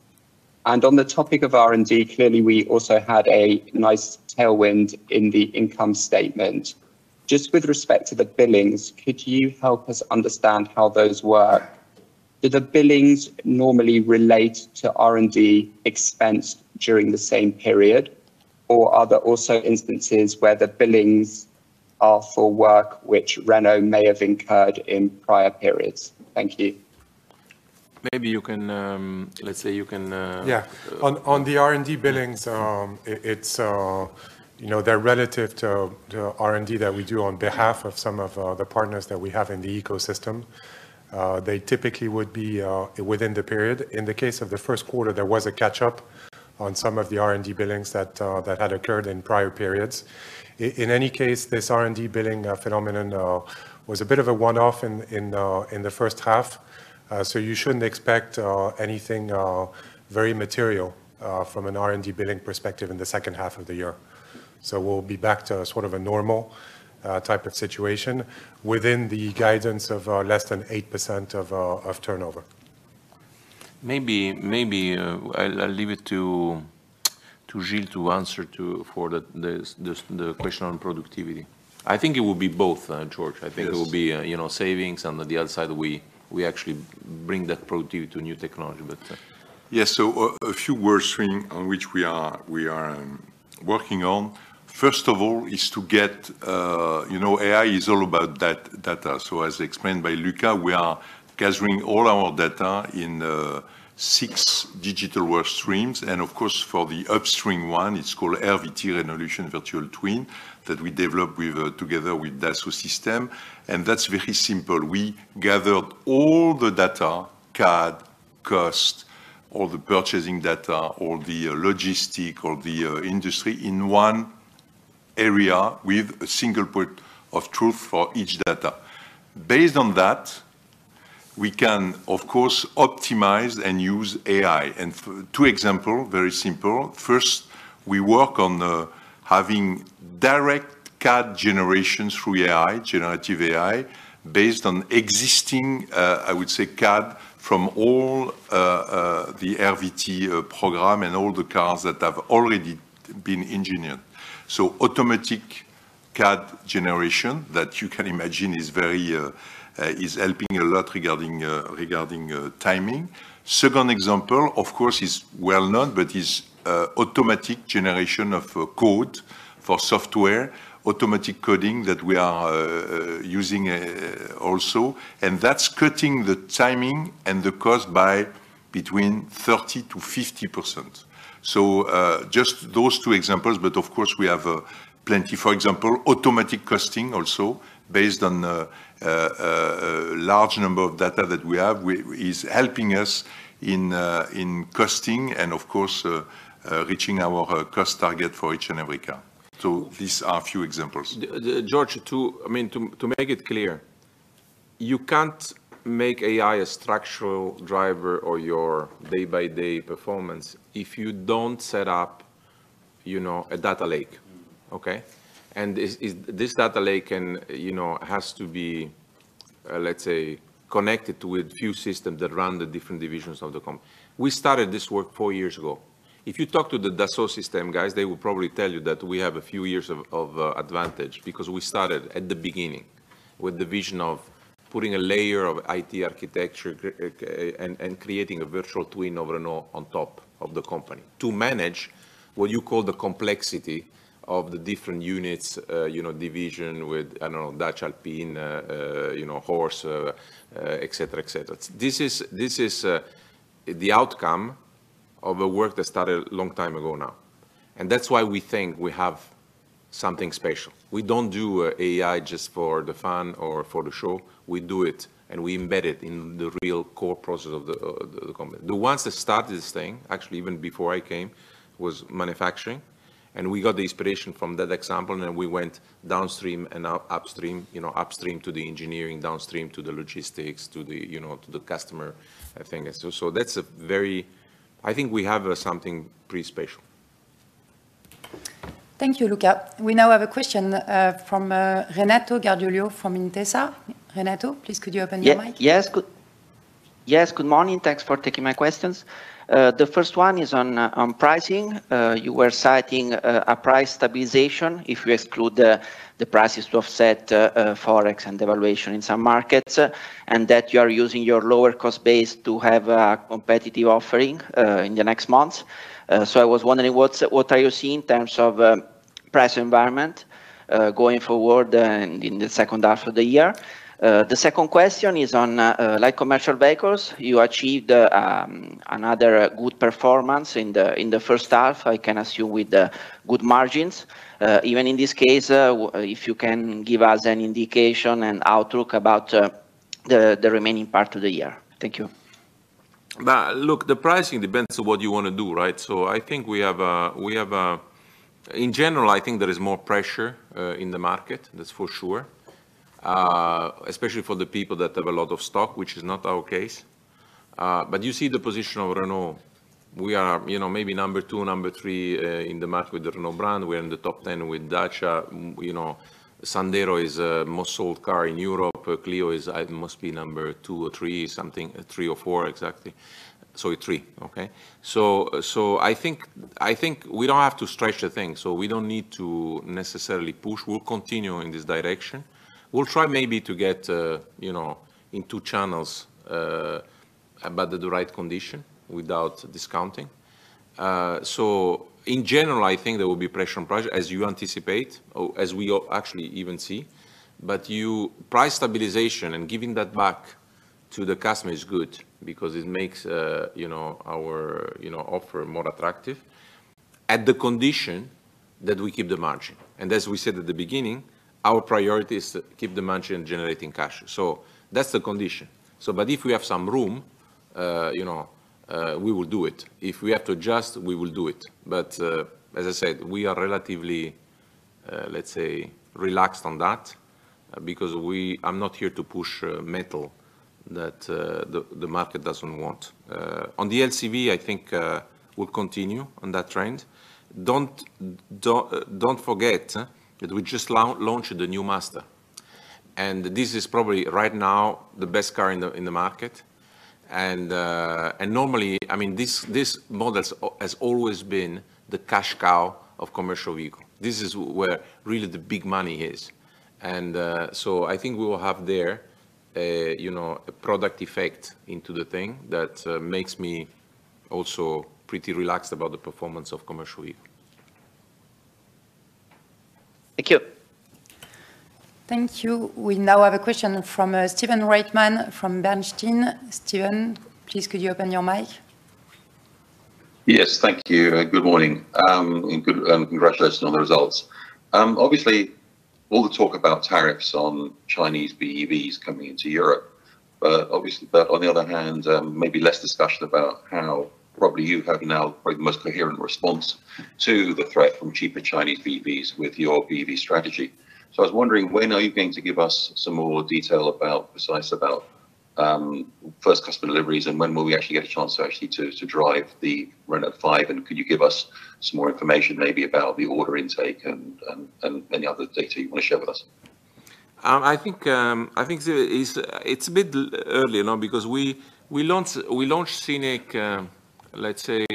And on the topic of R&D, clearly, we also had a nice tailwind in the income statement. Just with respect to the billings, could you help us understand how those work? Do the billings normally relate to R&D expense during the same period, or are there also instances where the billings are for work which Renault may have incurred in prior periods? Thank you. Maybe you can. Let's say you can, Yeah. On the R&D billings, it's, you know, they're relative to the R&D that we do on behalf of some of the partners that we have in the ecosystem. They typically would be within the period. In the case of the first quarter, there was a catch-up on some of the R&D billings that had occurred in prior periods. In any case, this R&D billing phenomenon was a bit of a one-off in the first half. So you shouldn't expect anything very material from an R&D billing perspective in the second half of the year. So we'll be back to sort of a normal type of situation within the guidance of less than 8% of turnover. Maybe I'll leave it to Gilles to answer for the question on productivity. I think it will be both, George. Yes. I think it will be, you know, savings, on the other side, we, we actually bring that productivity to new technology. But, Yes, so a few words on which we are, we are working on, first of all, is to get, you know, AI is all about data. So as explained by Luca, we are gathering all our data in six digital work streams, and of course, for the upstream one, it's called RVT, Renault Virtual Twin, that we developed with, together with Dassault Systèmes. And that's very simple. We gathered all the data, CAD, cost, all the purchasing data, all the logistic, all the industry in one area with a single point of truth for each data. Based on that, we can, of course, optimize and use AI. And two example, very simple: first, we work on having direct CAD generation through AI, generative AI, based on existing, I would say, CAD from all the RVT program and all the cars that have already been engineered. So automatic CAD generation, that you can imagine, is very helping a lot regarding timing. Second example, of course, is well known, but is automatic generation of code for software, automatic coding that we are using also, and that's cutting the timing and the cost by between 30%-50%. So just those two examples, but of course, we have plenty. For example, automatic costing, also, based on a large number of data that we have is helping us in costing and, of course, reaching our cost target for each and every car. So these are a few examples. George, I mean, to make it clear, you can't make AI a structural driver or your day-by-day performance if you don't set up, you know, a data lake. Okay? And this data lake can, you know, has to be, let's say, connected with few systems that run the different divisions of the company. We started this work four years ago. If you talk to the Dassault Systèmes guys, they will probably tell you that we have a few years of advantage because we started at the beginning with the vision of putting a layer of IT architecture, and creating a virtual twin over and on top of the company to manage what you call the complexity of the different units, you know, division with, I don't know, Dacia, Alpine, you know, HORSE, et cetera, et cetera. This is the outcome of a work that started a long time ago now, and that's why we think we have something special. We don't do AI just for the fun or for the show. We do it, and we embed it in the real core process of the company. The ones that started this thing, actually, even before I came, was manufacturing, and we got the inspiration from that example, and then we went downstream and now upstream, you know, upstream to the engineering, downstream to the logistics, to the customer, I think. So that's a very... I think we have something pretty special. Thank you, Luca. We now have a question from Renato Gargiulo from Intesa. Renato, please, could you open your mic? Yes, good. Yes, good morning. Thanks for taking my questions. The first one is on pricing. You were citing a price stabilization, if you exclude the prices to offset Forex and devaluation in some markets, and that you are using your lower cost base to have a competitive offering in the next months. So I was wondering, what are you seeing in terms of price environment going forward in the second half of the year? The second question is on light commercial vehicles. You achieved another good performance in the first half, I can assume, with good margins. Even in this case, if you can give us an indication and outlook about the remaining part of the year. Thank you. Look, the pricing depends on what you want to do, right? So I think in general, I think there is more pressure in the market, that's for sure, especially for the people that have a lot of stock, which is not our case. But you see the position of Renault. We are, you know, maybe number two, number three in the market with the Renault brand. We are in the top 10 with Dacia. You know, Sandero is most sold car in Europe. Clio must be number two or three, something, three or four, exactly. So three, okay? So I think we don't have to stretch the thing, so we don't need to necessarily push. We'll continue in this direction. We'll try maybe to get, you know, in two channels, about the right condition without discounting. So in general, I think there will be pressure on price, as you anticipate, or as we all actually even see. But price stabilization and giving that back to the customer is good because it makes, you know, our, you know, offer more attractive at the condition that we keep the margin. And as we said at the beginning, our priority is to keep the margin generating cash, so that's the condition. So, but if we have some room, you know, we will do it. If we have to adjust, we will do it. But, as I said, we are relatively, let's say, relaxed on that because I'm not here to push, metal that, the market doesn't want. On the LCV, I think we'll continue on that trend. Don't forget that we just launched the new Master, and this is probably, right now, the best car in the market. Normally, I mean, this model has always been the cash cow of commercial vehicle. This is where really the big money is. So I think we will have, you know, a product effect into the thing that makes me also pretty relaxed about the performance of commercial e. Thank you. Thank you. We now have a question from Stephen Reitman from Bernstein. Stephen, please, could you open your mic? Yes, thank you, and good morning. And good, congratulations on the results. Obviously, all the talk about tariffs on Chinese BEVs coming into Europe, but obviously, but on the other hand, maybe less discussion about how probably you have now probably the most coherent response to the threat from cheaper Chinese BEVs with your BEV strategy. So I was wondering, when are you going to give us some more detail about, precise about, first customer deliveries, and when will we actually get a chance to actually to, to drive the Renault 5? And could you give us some more information maybe about the order intake and, and, and any other data you want to share with us? I think there is, it's a bit early, you know, because we launched Scenic, let's say,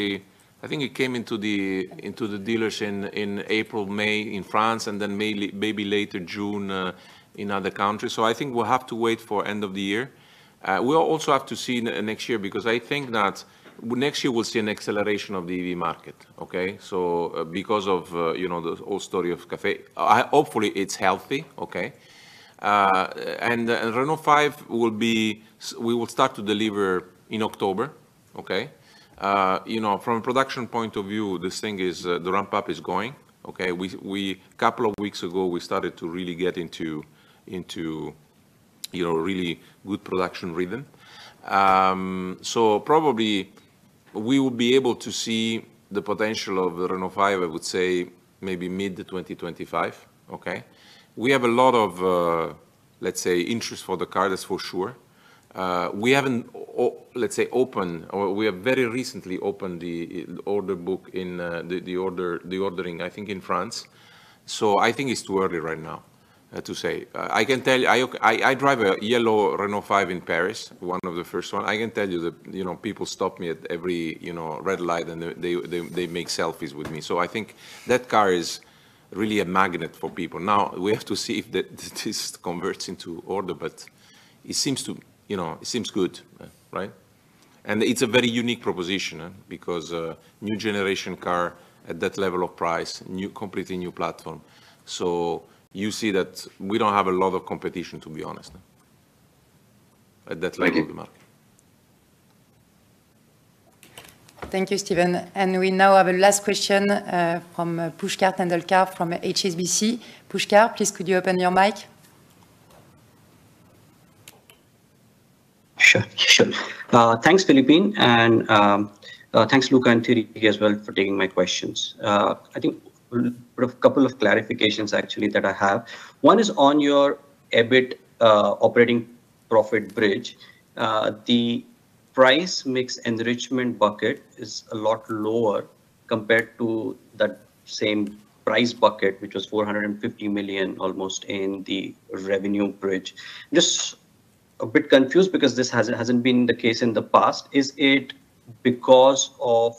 I think it came into the dealership in April, May in France, and then maybe later June in other countries. So I think we'll have to wait for end of the year. We'll also have to see next year, because I think that next year we'll see an acceleration of the EV market, okay? So, because of, you know, the whole story of CAFE. Hopefully, it's healthy, okay? And Renault 5 will start to deliver in October, okay? You know, from a production point of view, this thing is, the ramp-up is going, okay? A couple of weeks ago, we started to really get into, you know, really good production rhythm. So probably we will be able to see the potential of the Renault 5, I would say, maybe mid-2025, okay? We have a lot of, let's say, interest for the car, that's for sure. We haven't, let's say, opened, or we have very recently opened the order book in the ordering, I think, in France. So I think it's too early right now to say. I can tell you, I drive a yellow Renault 5 in Paris, one of the first one. I can tell you that, you know, people stop me at every, you know, red light, and they make selfies with me. So I think that car is really a magnet for people. Now, we have to see if this converts into order, but it seems to... You know, it seems good, right? It's a very unique proposition, because new generation car at that level of price, new, completely new platform. You see that we don't have a lot of competition, to be honest, at that level of the market. Thank you, Stephen. We now have a last question from Pushkar Tendolkar from HSBC. Pushkar, please, could you open your mic? Sure. Sure. Thanks, Philippine. And, thanks, Luca and Thierry, as well, for taking my questions. I think a couple of clarifications actually that I have. One is on your EBIT, operating profit bridge. The price mix enrichment bucket is a lot lower compared to that same price bucket, which was almost 450 million in the revenue bridge. Just a bit confused because this hasn't been the case in the past. Is it because of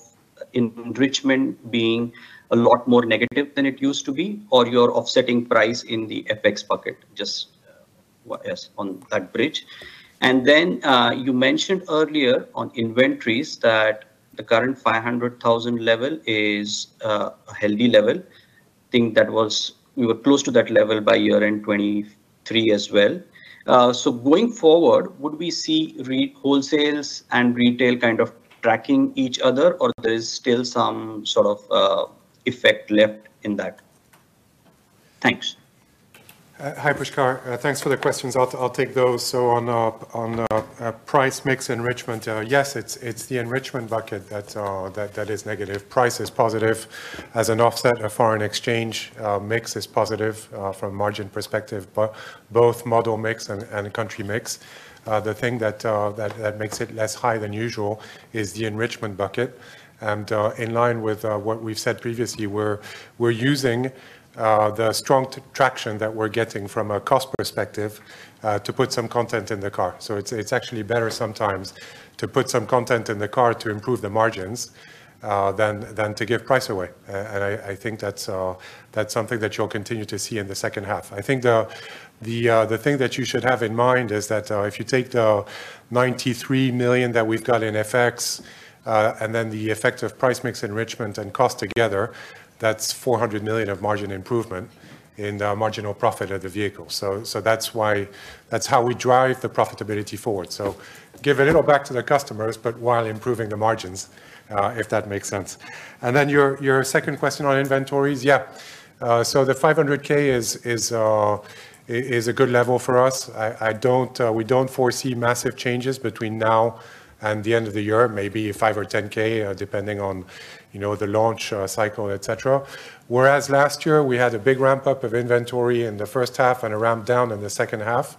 enrichment being a lot more negative than it used to be, or you're offsetting price in the FX bucket, on that bridge? And then, you mentioned earlier on inventories that the current 500,000 level is, a healthy level. I think that was- we were close to that level by year-end 2023 as well. Going forward, would we see wholesale and retail kind of tracking each other, or there is still some sort of effect left in that? Thanks. Hi, Pushkar. Thanks for the questions. I'll take those. So on price mix enrichment, yes, it's the enrichment bucket that is negative. Price is positive. As an offset, a foreign exchange mix is positive from a margin perspective, both model mix and country mix. The thing that makes it less high than usual is the enrichment bucket. And in line with what we've said previously, we're using the strong traction that we're getting from a cost perspective to put some content in the car. So it's actually better sometimes to put some content in the car to improve the margins than to give price away. And I think that's something that you'll continue to see in the second half. I think the thing that you should have in mind is that, if you take the 93 million that we've got in FX, and then the effect of price mix enrichment and cost together, that's 400 million of margin improvement in the marginal profit of the vehicle. That's why... That's how we drive the profitability forward. So give a little back to the customers, but while improving the margins, if that makes sense. And then, your second question on inventories, yeah. So the 500,000 is a good level for us. I don't, we don't foresee massive changes between now and the end of the year, maybe 5 or 10K, depending on, you know, the launch, cycle, et cetera. Whereas last year, we had a big ramp-up of inventory in the first half and a ramp down in the second half.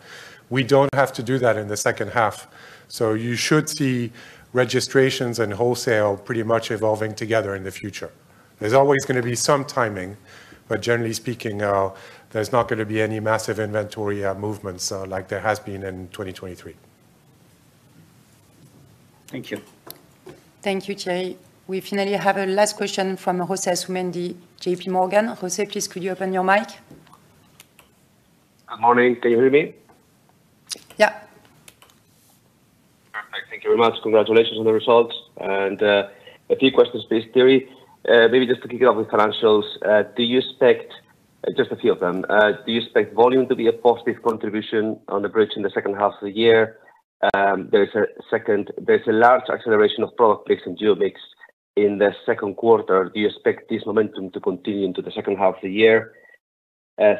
We don't have to do that in the second half. So you should see registrations and wholesale pretty much evolving together in the future. There's always gonna be some timing, but generally speaking, there's not gonna be any massive inventory, movements, like there has been in 2023. Thank you. Thank you, Thierry. We finally have a last question from José Asumendi, J.P. Morgan. José, please could you open your mic? Good morning, can you hear me? Yeah. Perfect. Thank you very much. Congratulations on the results, and a few questions for Thierry. Maybe just to kick it off with financials, do you expect, just a few of them, do you expect volume to be a positive contribution on the bridge in the second half of the year? There is a second, there's a large acceleration of product mix and geo mix in the second quarter. Do you expect this momentum to continue into the second half of the year?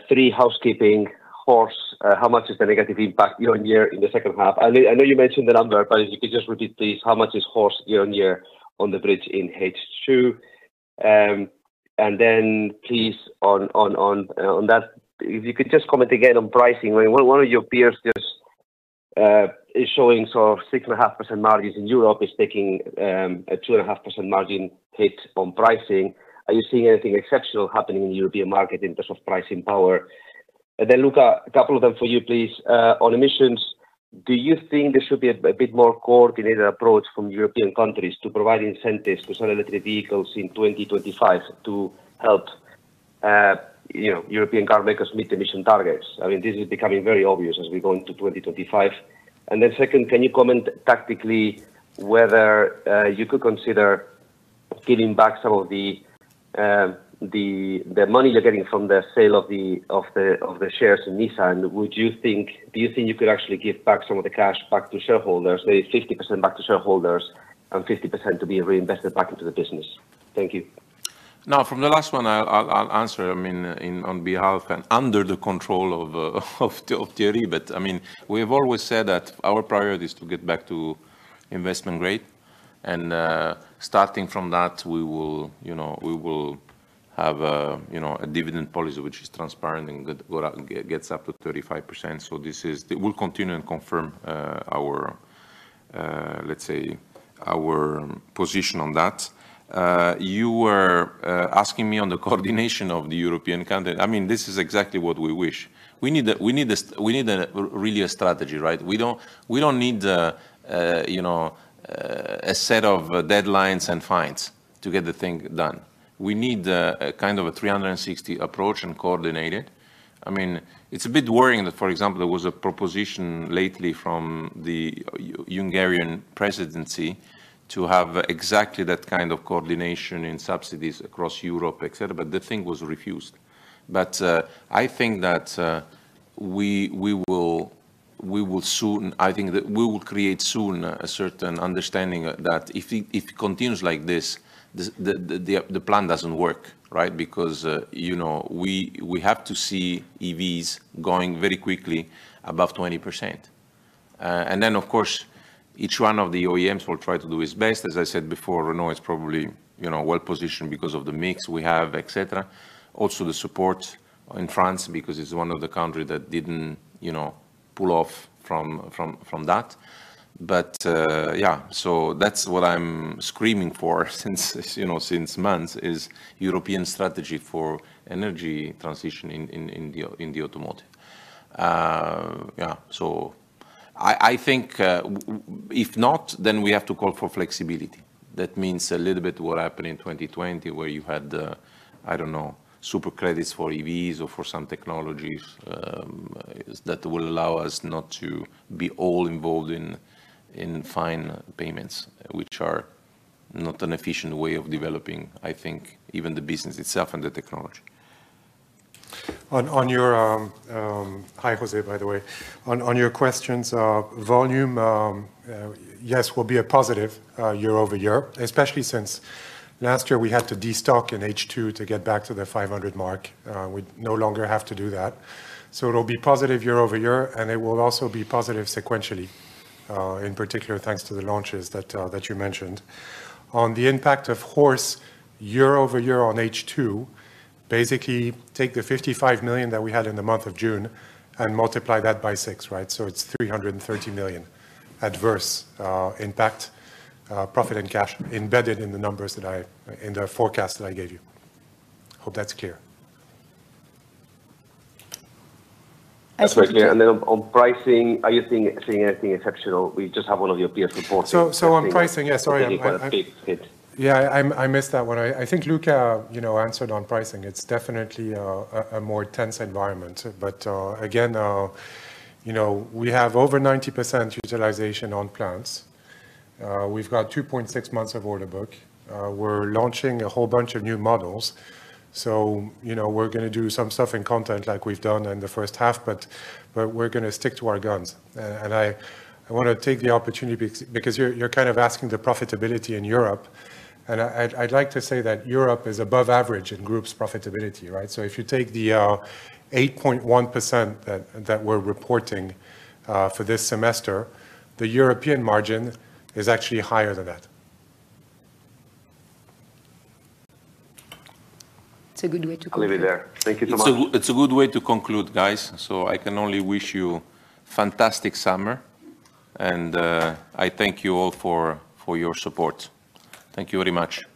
Three, housekeeping, HORSE, how much is the negative impact year-on-year in the second half? I know you mentioned the number, but if you could just repeat, please, how much is HORSE year-on-year on the bridge in H2? And then please, on that, if you could just comment again on pricing. One of your peers just is showing sort of 6.5% margins in Europe, is taking a 2.5% margin hit on pricing. Are you seeing anything exceptional happening in the European market in terms of pricing power? And then, Luca, a couple of them for you, please. On emissions, do you think there should be a bit more coordinated approach from European countries to provide incentives to sell electric vehicles in 2025 to help, you know, European car makers meet emission targets? I mean, this is becoming very obvious as we go into 2025. And then second, can you comment tactically whether you could consider giving back some of the money you're getting from the sale of the shares in Nissan? Would you think... Do you think you could actually give back some of the cash back to shareholders, say, 50% back to shareholders and 50% to be reinvested back into the business? Thank you. Now, from the last one, I'll answer, I mean, on behalf and under the control of Thierry. But I mean, we have always said that our priority is to get back to investment grade, and starting from that, we will, you know, we will have a, you know, a dividend policy which is transparent and good, go up, get, gets up to 35%. So this is. We'll continue and confirm our, let's say, our position on that. You were asking me on the coordination of the European country. I mean, this is exactly what we wish. We need a, we need a really a strategy, right? We don't, we don't need a, you know, a set of deadlines and fines to get the thing done. We need a kind of a 360 approach and coordinated. I mean, it's a bit worrying that, for example, there was a proposition lately from the EU-Hungarian presidency to have exactly that kind of coordination in subsidies across Europe, et cetera. But the thing was refused. But I think that we will soon, I think that we will create soon a certain understanding that if it continues like this, the plan doesn't work, right? Because you know, we have to see EVs going very quickly above 20%. And then, of course, each one of the OEMs will try to do its best. As I said before, Renault is probably, you know, well-positioned because of the mix we have, et cetera. Also, the support in France, because it's one of the country that didn't, you know, pull off from that. But, yeah, so that's what I'm screaming for since, you know, since months, is European strategy for energy transition in the automotive. Yeah, so I think, if not, then we have to call for flexibility. That means a little bit what happened in 2020, where you had, I don't know, super credits for EVs or for some technologies, that will allow us not to be all involved in fine payments, which are not an efficient way of developing, I think, even the business itself and the technology. Hi, Jose, by the way. On your questions, volume, yes, will be a positive year-over-year, especially since last year we had to de-stock in H2 to get back to the 500 mark. We no longer have to do that. So it'll be positive year-over-year, and it will also be positive sequentially, in particular, thanks to the launches that you mentioned. On the impact of HORSE year-over-year on H2, basically, take the 55 million that we had in the month of June and multiply that by six, right? So it's 330 million adverse impact, profit and cash embedded in the numbers in the forecast that I gave you. Hope that's clear. That's very clear. And then on pricing, are you seeing anything exceptional? We just have one of your peers reporting. On pricing, yes, sorry. Yeah, I missed that one. I think Luca, you know, answered on pricing. It's definitely a more tense environment. But, again, you know, we have over 90% utilization on plants. We've got 2.6 months of order book. We're launching a whole bunch of new models. So, you know, we're gonna do some stuff in content like we've done in the first half, but we're gonna stick to our guns. And I wanna take the opportunity because you're kind of asking the profitability in Europe, and I'd like to say that Europe is above average in Group's profitability, right? So if you take the 8.1% that we're reporting for this semester, the European margin is actually higher than that. It's a good way to conclude. I'll leave it there. Thank you so much. It's a good way to conclude, guys. So I can only wish you fantastic summer, and I thank you all for your support. Thank you very much.